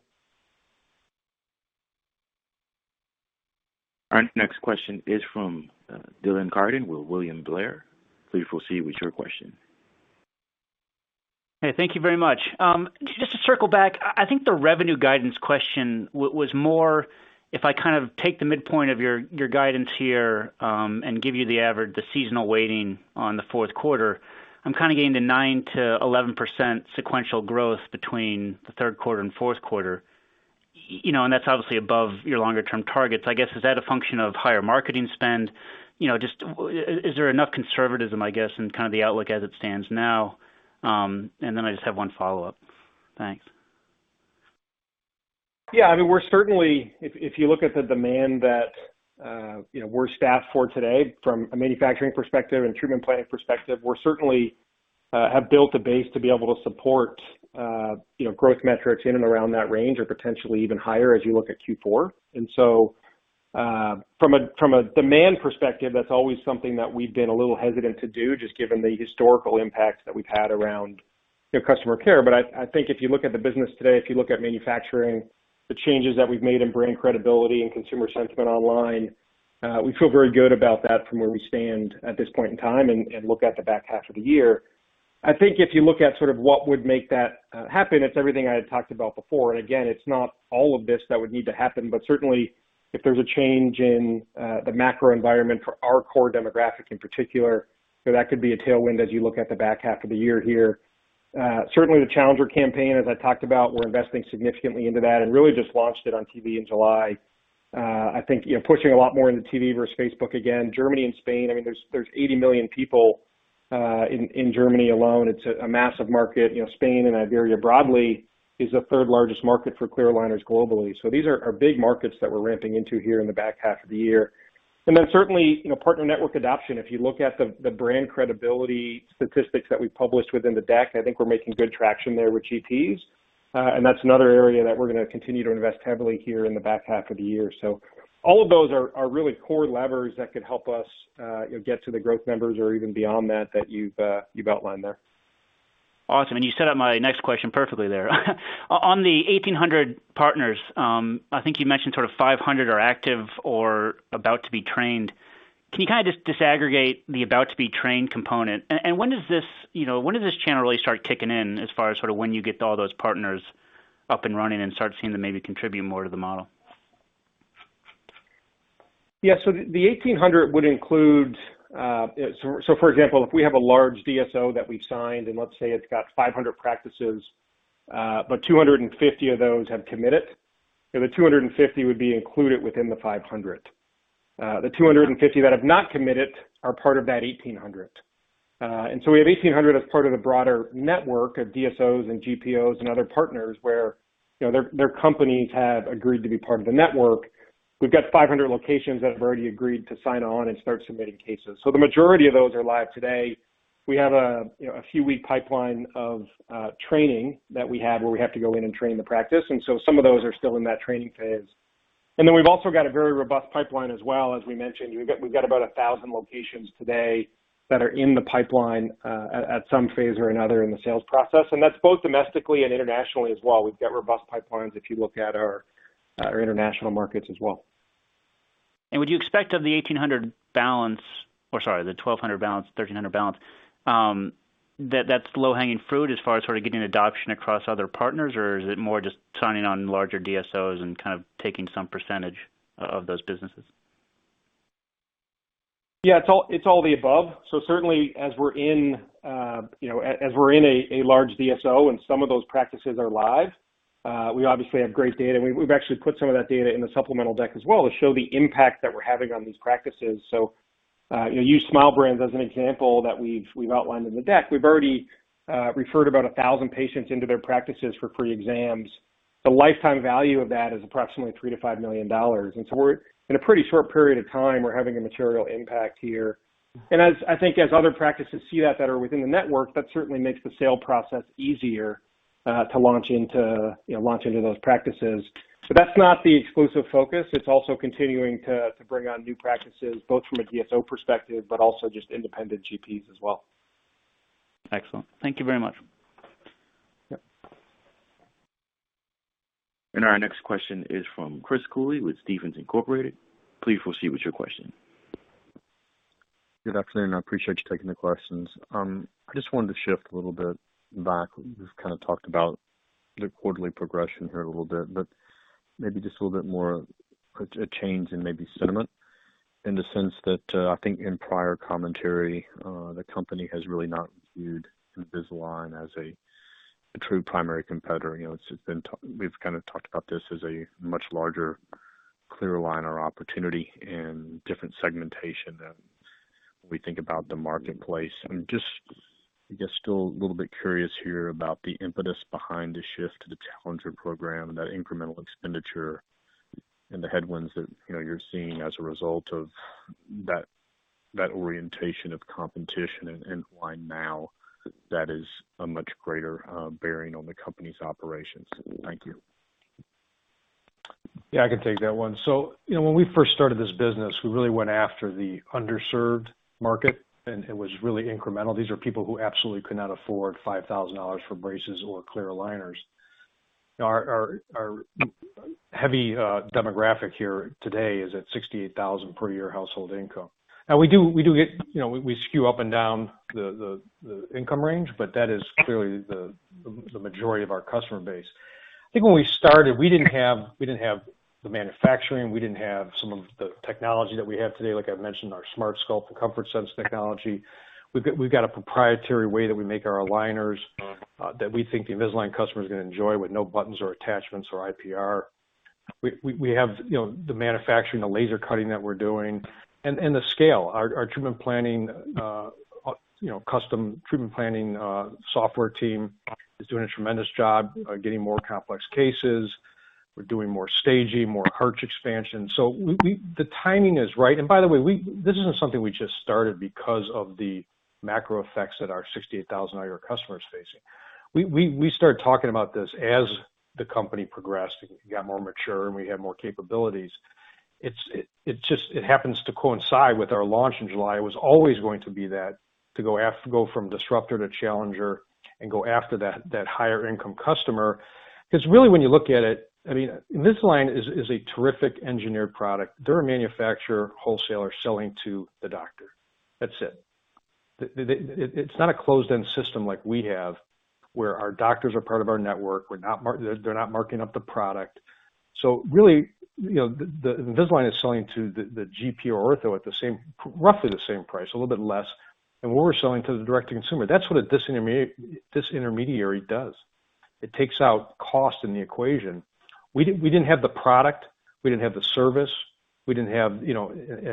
Our next question is from Dylan Carden with William Blair. Please proceed with your question. Hey, thank you very much. Just to circle back, I think the revenue guidance question was more if I take the midpoint of your guidance here, and give you the seasonal weighting on the fourth quarter, I'm getting a 9%-11% sequential growth between the third quarter and fourth quarter. That's obviously above your longer-term targets. I guess, is that a function of higher marketing spend? Just is there enough conservatism, I guess, in the outlook as it stands now? I just have one follow-up. Thanks. Yeah, if you look at the demand that we're staffed for today from a manufacturing perspective and treatment planning perspective, we certainly have built a base to be able to support growth metrics in and around that range or potentially even higher as you look at Q4. From a demand perspective, that's always something that we've been a little hesitant to do, just given the historical impact that we've had around customer care. I think if you look at the business today, if you look at manufacturing, the changes that we've made in brand credibility and consumer sentiment online, we feel very good about that from where we stand at this point in time and look at the back half of the year. I think if you look at what would make that happen, it's everything I had talked about before. Again, it's not all of this that would need to happen, but certainly if there's a change in the macro environment for our core demographic in particular, that could be a tailwind as you look at the back half of the year here. Certainly, the Challenger campaign, as I talked about, we're investing significantly into that and really just launched it on TV in July. I think pushing a lot more into TV versus Facebook again. Germany and Spain, there's 80 million people in Germany alone. It's a massive market. Spain and Iberia broadly is the third largest market for clear aligners globally. These are big markets that we're ramping into here in the back half of the year. Certainly, partner network adoption, if you look at the brand credibility statistics that we published within the deck, I think we're making good traction there with GPs, and that's another area that we're going to continue to invest heavily here in the back half of the year. All of those are really core levers that could help us get to the growth numbers or even beyond that you've outlined there. Awesome. You set up my next question perfectly there. On the 1,800 partners, I think you mentioned 500 are active or about to be trained. Can you just disaggregate the about-to-be-trained component? When does this channel really start kicking in as far as when you get all those partners up and running and start seeing them maybe contribute more to the model? Yeah. The 1,800 would include. For example, if we have a large DSO that we've signed, and let's say it's got 500 practices, but 250 of those have committed, the 250 would be included within the 500. The 250 that have not committed are part of that 1,800. We have 1,800 as part of the broader network of DSOs and GPOs and other partners where their companies have agreed to be part of the network. We've got 500 locations that have already agreed to sign on and start submitting cases. The majority of those are live today. We have a few-week pipeline of training that we have where we have to go in and train the practice, and so some of those are still in that training phase. We've also got a very robust pipeline as well. As we mentioned, we've got about 1,000 locations today that are in the pipeline at some phase or another in the sales process, and that's both domestically and internationally as well. We've got robust pipelines if you look at our international markets as well. Would you expect of the 1,800 balance, or sorry, the 1,200 balance, 1,300 balance, that that's low-hanging fruit as far as sort of getting adoption across other partners or is it more just signing on larger DSOs and kind of taking some percentage of those businesses? It's all the above. Certainly as we're in a large DSO and some of those practices are live, we obviously have great data, and we've actually put some of that data in the supplemental deck as well to show the impact that we're having on these practices. Use Smile Brands as an example that we've outlined in the deck. We've already referred about 1,000 patients into their practices for free exams. The lifetime value of that is approximately $3 million-$5 million. In a pretty short period of time, we're having a material impact here. I think as other practices see that are within the network, that certainly makes the sale process easier to launch into those practices. That's not the exclusive focus. It's also continuing to bring on new practices, both from a DSO perspective, but also just independent GPs as well. Excellent. Thank you very much. Yep. Our next question is from Chris Cooley with Stephens Inc. Please proceed with your question. Good afternoon. I appreciate you taking the questions. I just wanted to shift a little bit back. You've kind of talked about the quarterly progression here a little bit, but maybe just a little bit more of a change in maybe sentiment in the sense that, I think in prior commentary, the company has really not viewed Invisalign as a true primary competitor. We've kind of talked about this as a much larger clear aligner opportunity and different segmentation than we think about the marketplace. I'm just, I guess, still a little bit curious here about the impetus behind the shift to the Challenger program and that incremental expenditure and the headwinds that you're seeing as a result of that orientation of competition, and why now that is a much greater bearing on the company's operations. Thank you. Yeah, I can take that one. When we first started this business, we really went after the underserved market, and it was really incremental. These are people who absolutely could not afford $5,000 for braces or clear aligners. Our heavy demographic here today is at 68,000 per year household income. We skew up and down the income range, but that is clearly the majority of our customer base. I think when we started, we didn't have the manufacturing, we didn't have some of the technology that we have today, like I mentioned, our SmartSculpt and Comfort Sense technology. We've got a proprietary way that we make our aligners, that we think the Invisalign customer is going to enjoy with no buttons or attachments or IPR. We have the manufacturing, the laser cutting that we're doing, and the scale. Our custom treatment planning software team is doing a tremendous job getting more complex cases. We're doing more staging, more arch expansion. The timing is right. By the way, this isn't something we just started because of the macro effects that our $68,000 a year customer is facing. We started talking about this as the company progressed, and we got more mature and we had more capabilities. It happens to coincide with our launch in July. It was always going to be that, to go from disruptor to Challenger and go after that higher income customer. Really when you look at it, Invisalign is a terrific engineered product. They're a manufacturer, wholesaler selling to the doctor. That's it. It's not a closed-end system like we have where our doctors are part of our network. They're not marking up the product. Really, Invisalign is selling to the GP or ortho at roughly the same price, a little bit less, and we're selling to the direct-to-consumer. That's what this intermediary does. It takes out cost in the equation. We didn't have the product, we didn't have the service. We didn't have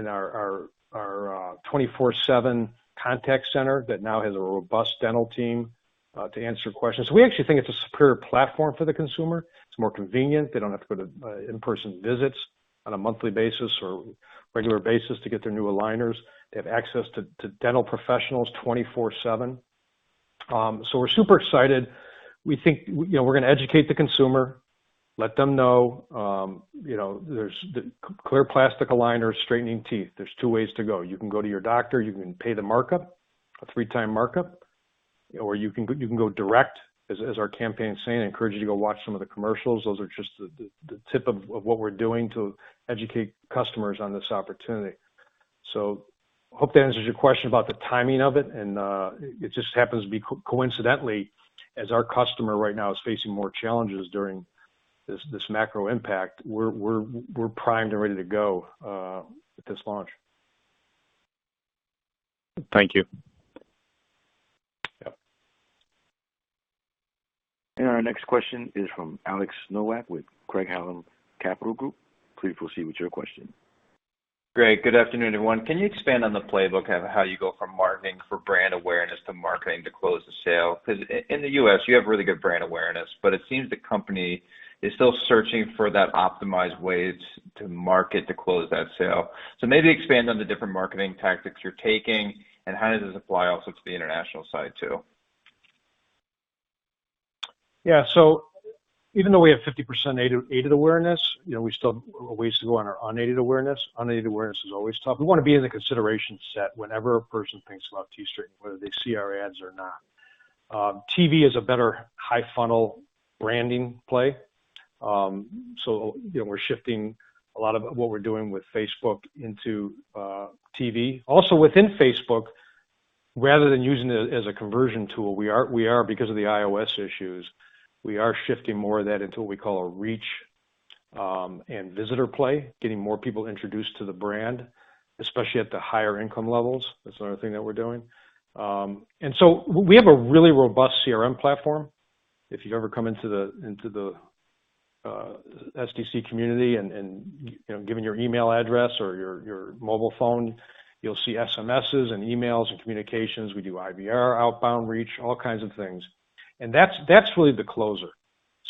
our 24/7 contact center that now has a robust dental team to answer questions. We actually think it's a superior platform for the consumer. It's more convenient. They don't have to go to in-person visits on a monthly basis or regular basis to get their new aligners. They have access to dental professionals 24/7. We're super excited. We think we're going to educate the consumer, let them know there's clear plastic aligners, straightening teeth. There's two ways to go. You can go to your doctor, you can pay the markup, a 3-time markup, or you can go direct, as our campaign is saying. I encourage you to go watch some of the commercials. Those are just the tip of what we're doing to educate customers on this opportunity. Hope that answers your question about the timing of it, and it just happens to be coincidentally as our customer right now is facing more challenges during this macro impact. We're primed and ready to go with this launch. Thank you. Yep. Our next question is from Alex Nowak with Craig-Hallum Capital Group. Please proceed with your question. Great, good afternoon, everyone. Can you expand on the playbook of how you go from marketing for brand awareness to marketing to close the sale? In the U.S., you have really good brand awareness, but it seems the company is still searching for that optimized way to market to close that sale. Maybe expand on the different marketing tactics you're taking, and how does this apply also to the international side, too? Yeah. Even though we have 50% aided awareness, we still have a ways to go on our unaided awareness. Unaided awareness is always tough. We want to be in the consideration set whenever a person thinks about teeth straightening, whether they see our ads or not. TV is a better high-funnel branding play. We're shifting a lot of what we're doing with Facebook into TV. Within Facebook, rather than using it as a conversion tool, we are, because of the iOS issues, we are shifting more of that into what we call a reach and visitor play, getting more people introduced to the brand, especially at the higher income levels. That's another thing that we're doing. We have a really robust CRM platform. If you ever come into the SDC community and give them your email address or your mobile phone, you'll see SMSs and emails and communications. We do IVR, outbound reach, all kinds of things. That's really the closer.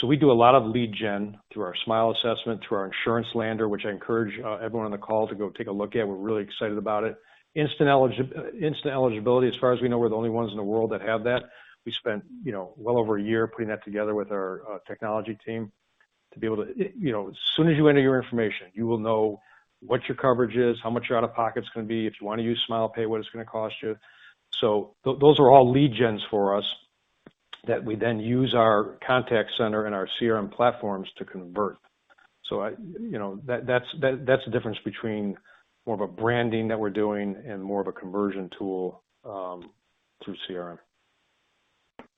We do a lot of lead gen through our smile assessment, through our insurance lender, which I encourage everyone on the call to go take a look at. We're really excited about it. Instant eligibility, as far as we know, we're the only ones in the world that have that. We spent well over a year putting that together with our technology team. As soon as you enter your information, you will know what your coverage is, how much your out-of-pocket's going to be, if you want to use SmilePay, what it's going to cost you. Those are all lead gens for us that we then use our contact center and our CRM platforms to convert. That's the difference between more of a branding that we're doing and more of a conversion tool through CRM.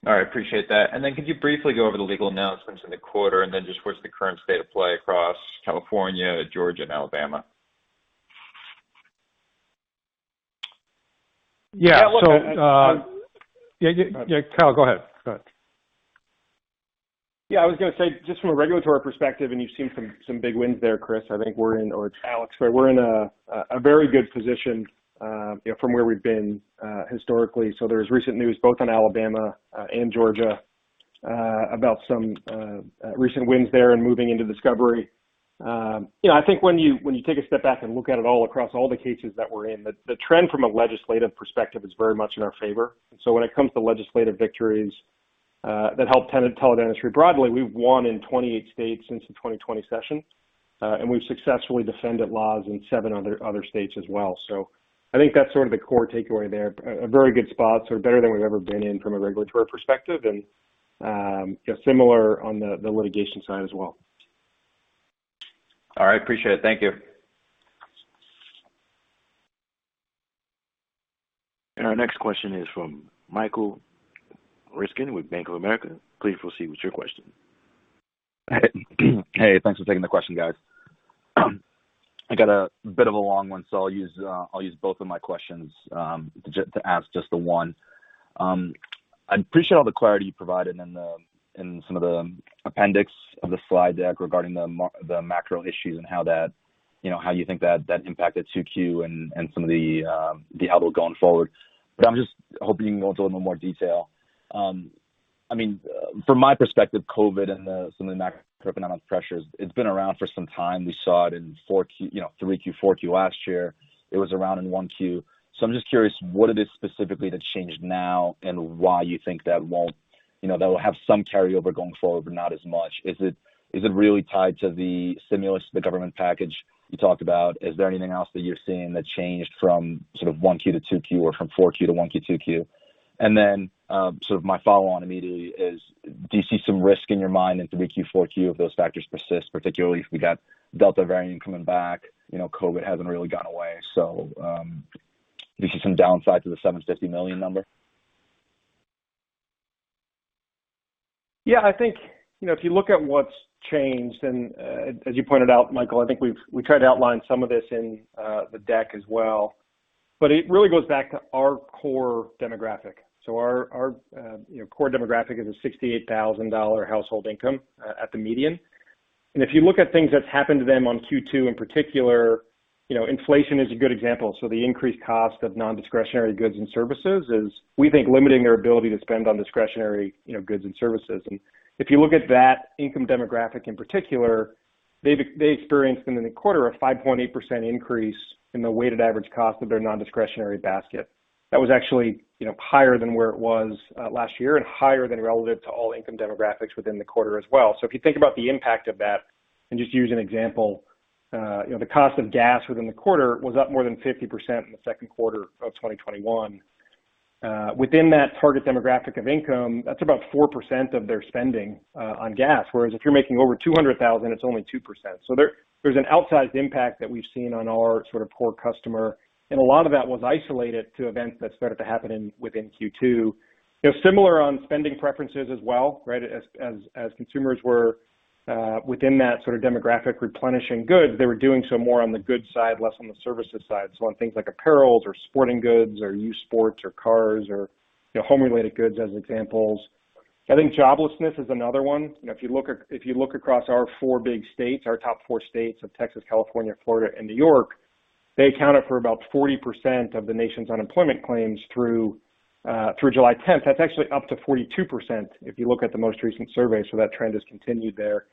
All right. Appreciate that. Then could you briefly go over the legal announcements in the quarter, and then just what's the current state of play across California, Georgia, and Alabama? Yeah. Yeah, look. Yeah, Kyle, go ahead. Yeah, I was going to say, just from a regulatory perspective, and you've seen some big wins there, Chris, I think we're in, or it's Alex, but we're in a very good position from where we've been historically. There's recent news both on Alabama and Georgia about some recent wins there and moving into discovery. I think when you take a step back and look at it all across all the cases that we're in, the trend from a legislative perspective is very much in our favor. When it comes to legislative victories that help teledentistry broadly, we've won in 28 states since the 2020 session. We've successfully defended laws in seven other states as well. I think that's sort of the core takeaway there. A very good spot, better than we've ever been in from a regulatory perspective, and similar on the litigation side as well. All right. Appreciate it. Thank you. Our next question is from Michael Ryskin with Bank of America. Please proceed with your question. Hey, thanks for taking the question, guys. I got a bit of a long one, so I'll use both of my questions to ask just the one. I appreciate all the clarity you provided in some of the appendix of the slide deck regarding the macro issues and how you think that impacted 2Q and some of the outlook going forward. I'm just hoping you can go into a little more detail. From my perspective, COVID and some of the macroeconomic pressures, it's been around for some time. We saw it in 3Q, 4Q last year. It was around in 1Q. I'm just curious, what it is specifically that's changed now, and why you think that will have some carryover going forward, but not as much? Is it really tied to the stimulus, the government package you talked about? Is there anything else that you're seeing that changed from sort of 1Q to 2Q or from 4Q to 1Q, 2Q? Sort of my follow-on immediately is, do you see some risk in your mind in 3Q, 4Q if those factors persist? Particularly if we got Delta variant coming back. COVID hasn't really gone away. Do you see some downside to the $750 million number? I think, if you look at what's changed, and as you pointed out, Michael, I think we tried to outline some of this in the deck as well, but it really goes back to our core demographic. Our core demographic is a $68,000 household income at the median. If you look at things that have happened to them on Q2 in particular, inflation is a good example. The increased cost of non-discretionary goods and services is, we think, limiting their ability to spend on discretionary goods and services. If you look at that income demographic in particular, they experienced in the quarter a 5.8% increase in the weighted average cost of their non-discretionary basket. That was actually higher than where it was last year and higher than relative to all income demographics within the quarter as well. If you think about the impact of that, and just use an example, the cost of gas within the quarter was up more than 50% in the second quarter of 2021. Within that target demographic of income, that's about 4% of their spending on gas. Whereas if you're making over 200,000, it's only 2%. There's an outsized impact that we've seen on our sort of core customer, and a lot of that was isolated to events that started to happen within Q2. Similar on spending preferences as well, right? As consumers were within that sort of demographic replenishing goods, they were doing so more on the goods side, less on the services side. On things like apparels or sporting goods or used sports or cars or home-related goods as examples. I think joblessness is another one. If you look across our four big states, our top four states of Texas, California, Florida, and New York, they accounted for about 40% of the nation's unemployment claims through July 10th. That's actually up to 42%, if you look at the most recent survey. That trend has continued there.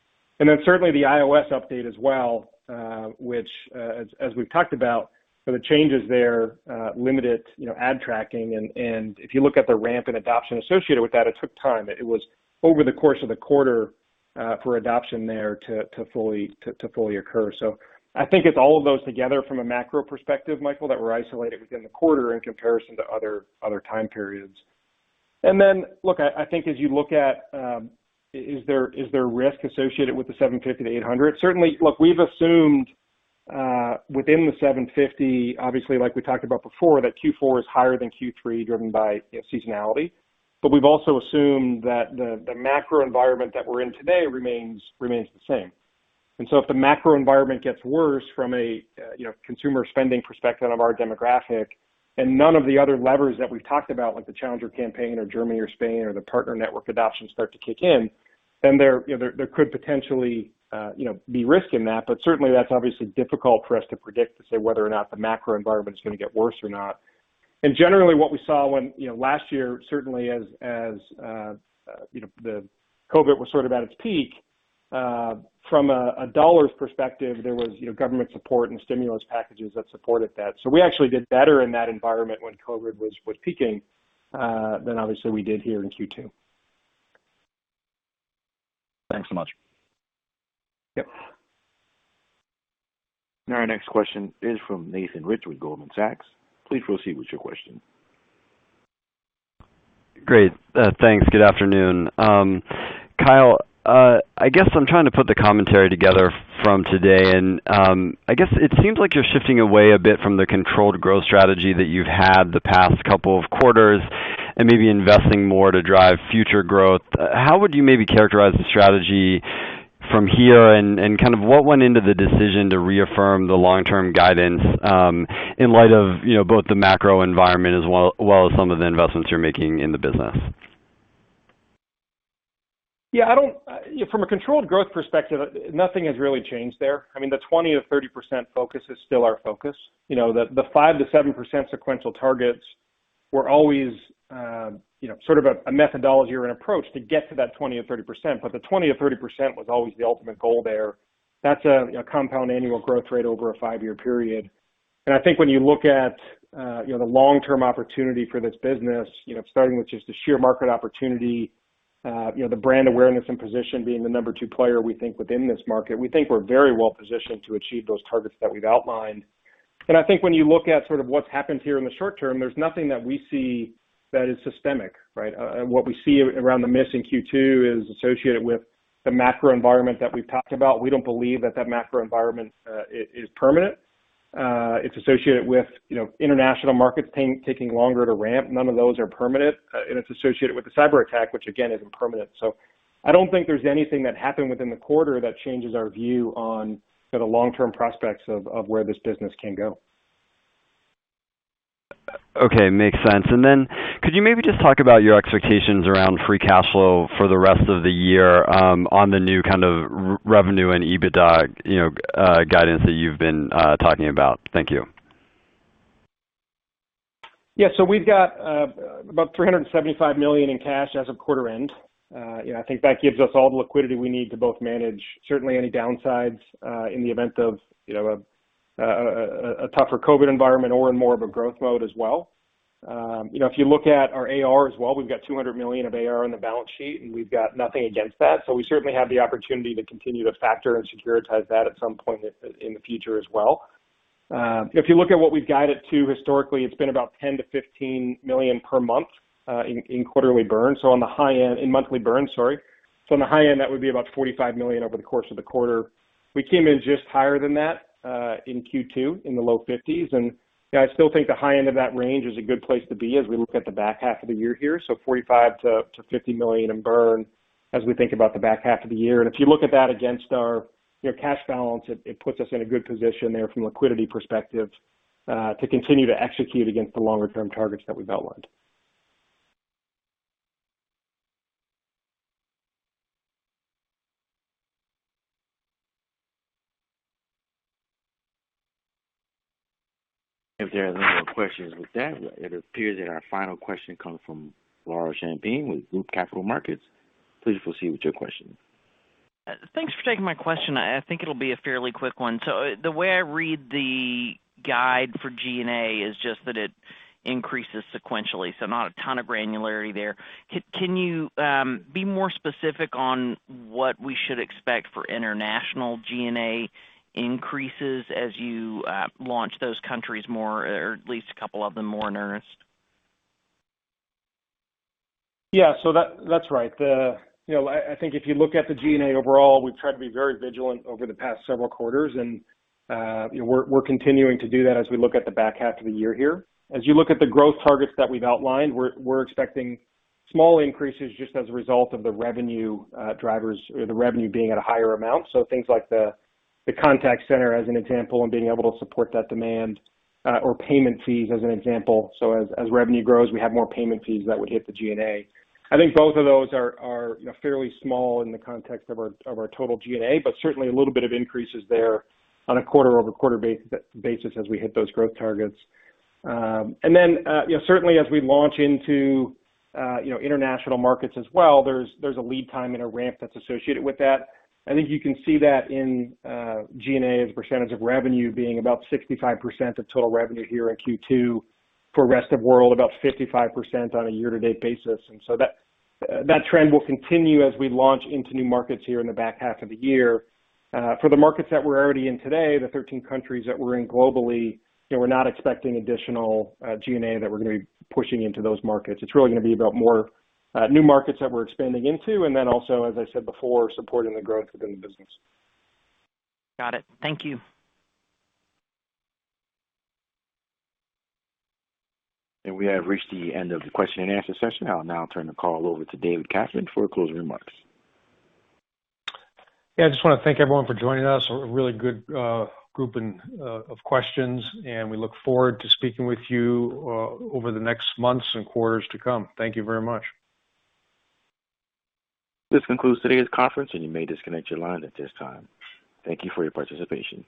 Certainly the iOS update as well, which as we've talked about, the changes there limited ad tracking and if you look at the ramp in adoption associated with that, it took time. It was over the course of the quarter for adoption there to fully occur. I think it's all of those together from a macro perspective, Michael, that were isolated within the quarter in comparison to other time periods. Look, I think as you look at is there risk associated with the 750 to 800? Certainly, look, we've assumed within the 750, obviously like we talked about before, that Q4 is higher than Q3 driven by seasonality. We've also assumed that the macro environment that we're in today remains the same. If the macro environment gets worse from a consumer spending perspective of our demographic, and none of the other levers that we've talked about, like the Challenger campaign or Germany or Spain or the partner network adoption start to kick in, then there could potentially be risk in that. Certainly that's obviously difficult for us to predict, to say whether or not the macro environment is going to get worse or not. Generally what we saw when last year, certainly as the COVID was sort of at its peak, from a dollars perspective, there was government support and stimulus packages that supported that. We actually did better in that environment when COVID was peaking than obviously we did here in Q2. Thanks so much. Yep. Our next question is from Nathan Rich with Goldman Sachs. Please proceed with your question. Great. Thanks. Good afternoon. Kyle, I guess I'm trying to put the commentary together from today, and I guess it seems like you're shifting away a bit from the controlled growth strategy that you've had the past two quarters and maybe investing more to drive future growth. How would you maybe characterize the strategy from here and kind of what went into the decision to reaffirm the long-term guidance in light of both the macro environment as well as some of the investments you're making in the business? Yeah, from a controlled growth perspective, nothing has really changed there. I mean, the 20%-30% focus is still our focus. The 5%-7% sequential targets were always sort of a methodology or an approach to get to that 20% or 30%, but the 20%-30% was always the ultimate goal there. That's a compound annual growth rate over a five-year period. I think when you look at the long-term opportunity for this business, starting with just the sheer market opportunity, the brand awareness and position being the number two player we think within this market, we think we're very well positioned to achieve those targets that we've outlined. I think when you look at sort of what's happened here in the short term, there's nothing that we see that is systemic, right? What we see around the miss in Q2 is associated with the macro environment that we've talked about. We don't believe that that macro environment is permanent. It's associated with international markets taking longer to ramp. None of those are permanent. It's associated with the cyber attack, which again isn't permanent. I don't think there's anything that happened within the quarter that changes our view on the long-term prospects of where this business can go. Okay. Makes sense. Could you maybe just talk about your expectations around free cash flow for the rest of the year on the new kind of revenue and EBITDA guidance that you've been talking about? Thank you. Yeah. We've got about $375 million in cash as of quarter end. I think that gives us all the liquidity we need to both manage certainly any downsides in the event of a tougher COVID environment or in more of a growth mode as well. If you look at our AR as well, we've got $200 million of AR on the balance sheet, and we've got nothing against that. We certainly have the opportunity to continue to factor and securitize that at some point in the future as well. If you look at what we've guided to historically, it's been about $10 million-$15 million per month in quarterly burn. In monthly burn, sorry. On the high end, that would be about $45 million over the course of the quarter. We came in just higher than that in Q2, in the low 50s. I still think the high end of that range is a good place to be as we look at the back half of the year here. $45 million-$50 million in burn as we think about the back half of the year. If you look at that against our cash balance, it puts us in a good position there from a liquidity perspective to continue to execute against the longer-term targets that we've outlined. If there are no more questions with that, it appears that our final question comes from Laura Champine with Loop Capital Markets. Please proceed with your question. Thanks for taking my question. I think it'll be a fairly quick 1. The way I read the guide for G&A is just that it increases sequentially. Not a ton of granularity there. Can you be more specific on what we should expect for international G&A increases as you launch those countries more, or at least a couple of them more in earnest? Yeah. That's right. I think if you look at the G&A overall, we've tried to be very vigilant over the past several quarters, and we're continuing to do that as we look at the back half of the year here. As you look at the growth targets that we've outlined, we're expecting small increases just as a result of the revenue drivers or the revenue being at a higher amount. Things like the contact center as an example and being able to support that demand or payment fees as an example. As revenue grows, we have more payment fees that would hit the G&A. I think both of those are fairly small in the context of our total G&A, but certainly a little bit of increases there on a quarter-over-quarter basis as we hit those growth targets. Certainly as we launch into international markets as well, there's a lead time and a ramp that's associated with that. I think you can see that in G&A as a percentage of revenue being about 65% of total revenue here in Q2. For rest of world, about 55% on a year-to-date basis. That trend will continue as we launch into new markets here in the back half of the year. For the markets that we're already in today, the 13 countries that we're in globally, we're not expecting additional G&A that we're going to be pushing into those markets. It's really going to be about more new markets that we're expanding into and then also, as I said before, supporting the growth within the business. Got it. Thank you. We have reached the end of the question-and-answer session. I'll now turn the call over to David Katzman for closing remarks. Yeah, I just want to thank everyone for joining us. A really good grouping of questions. We look forward to speaking with you over the next months and quarters to come. Thank you very much. This concludes today's conference, and you may disconnect your line at this time. Thank you for your participation.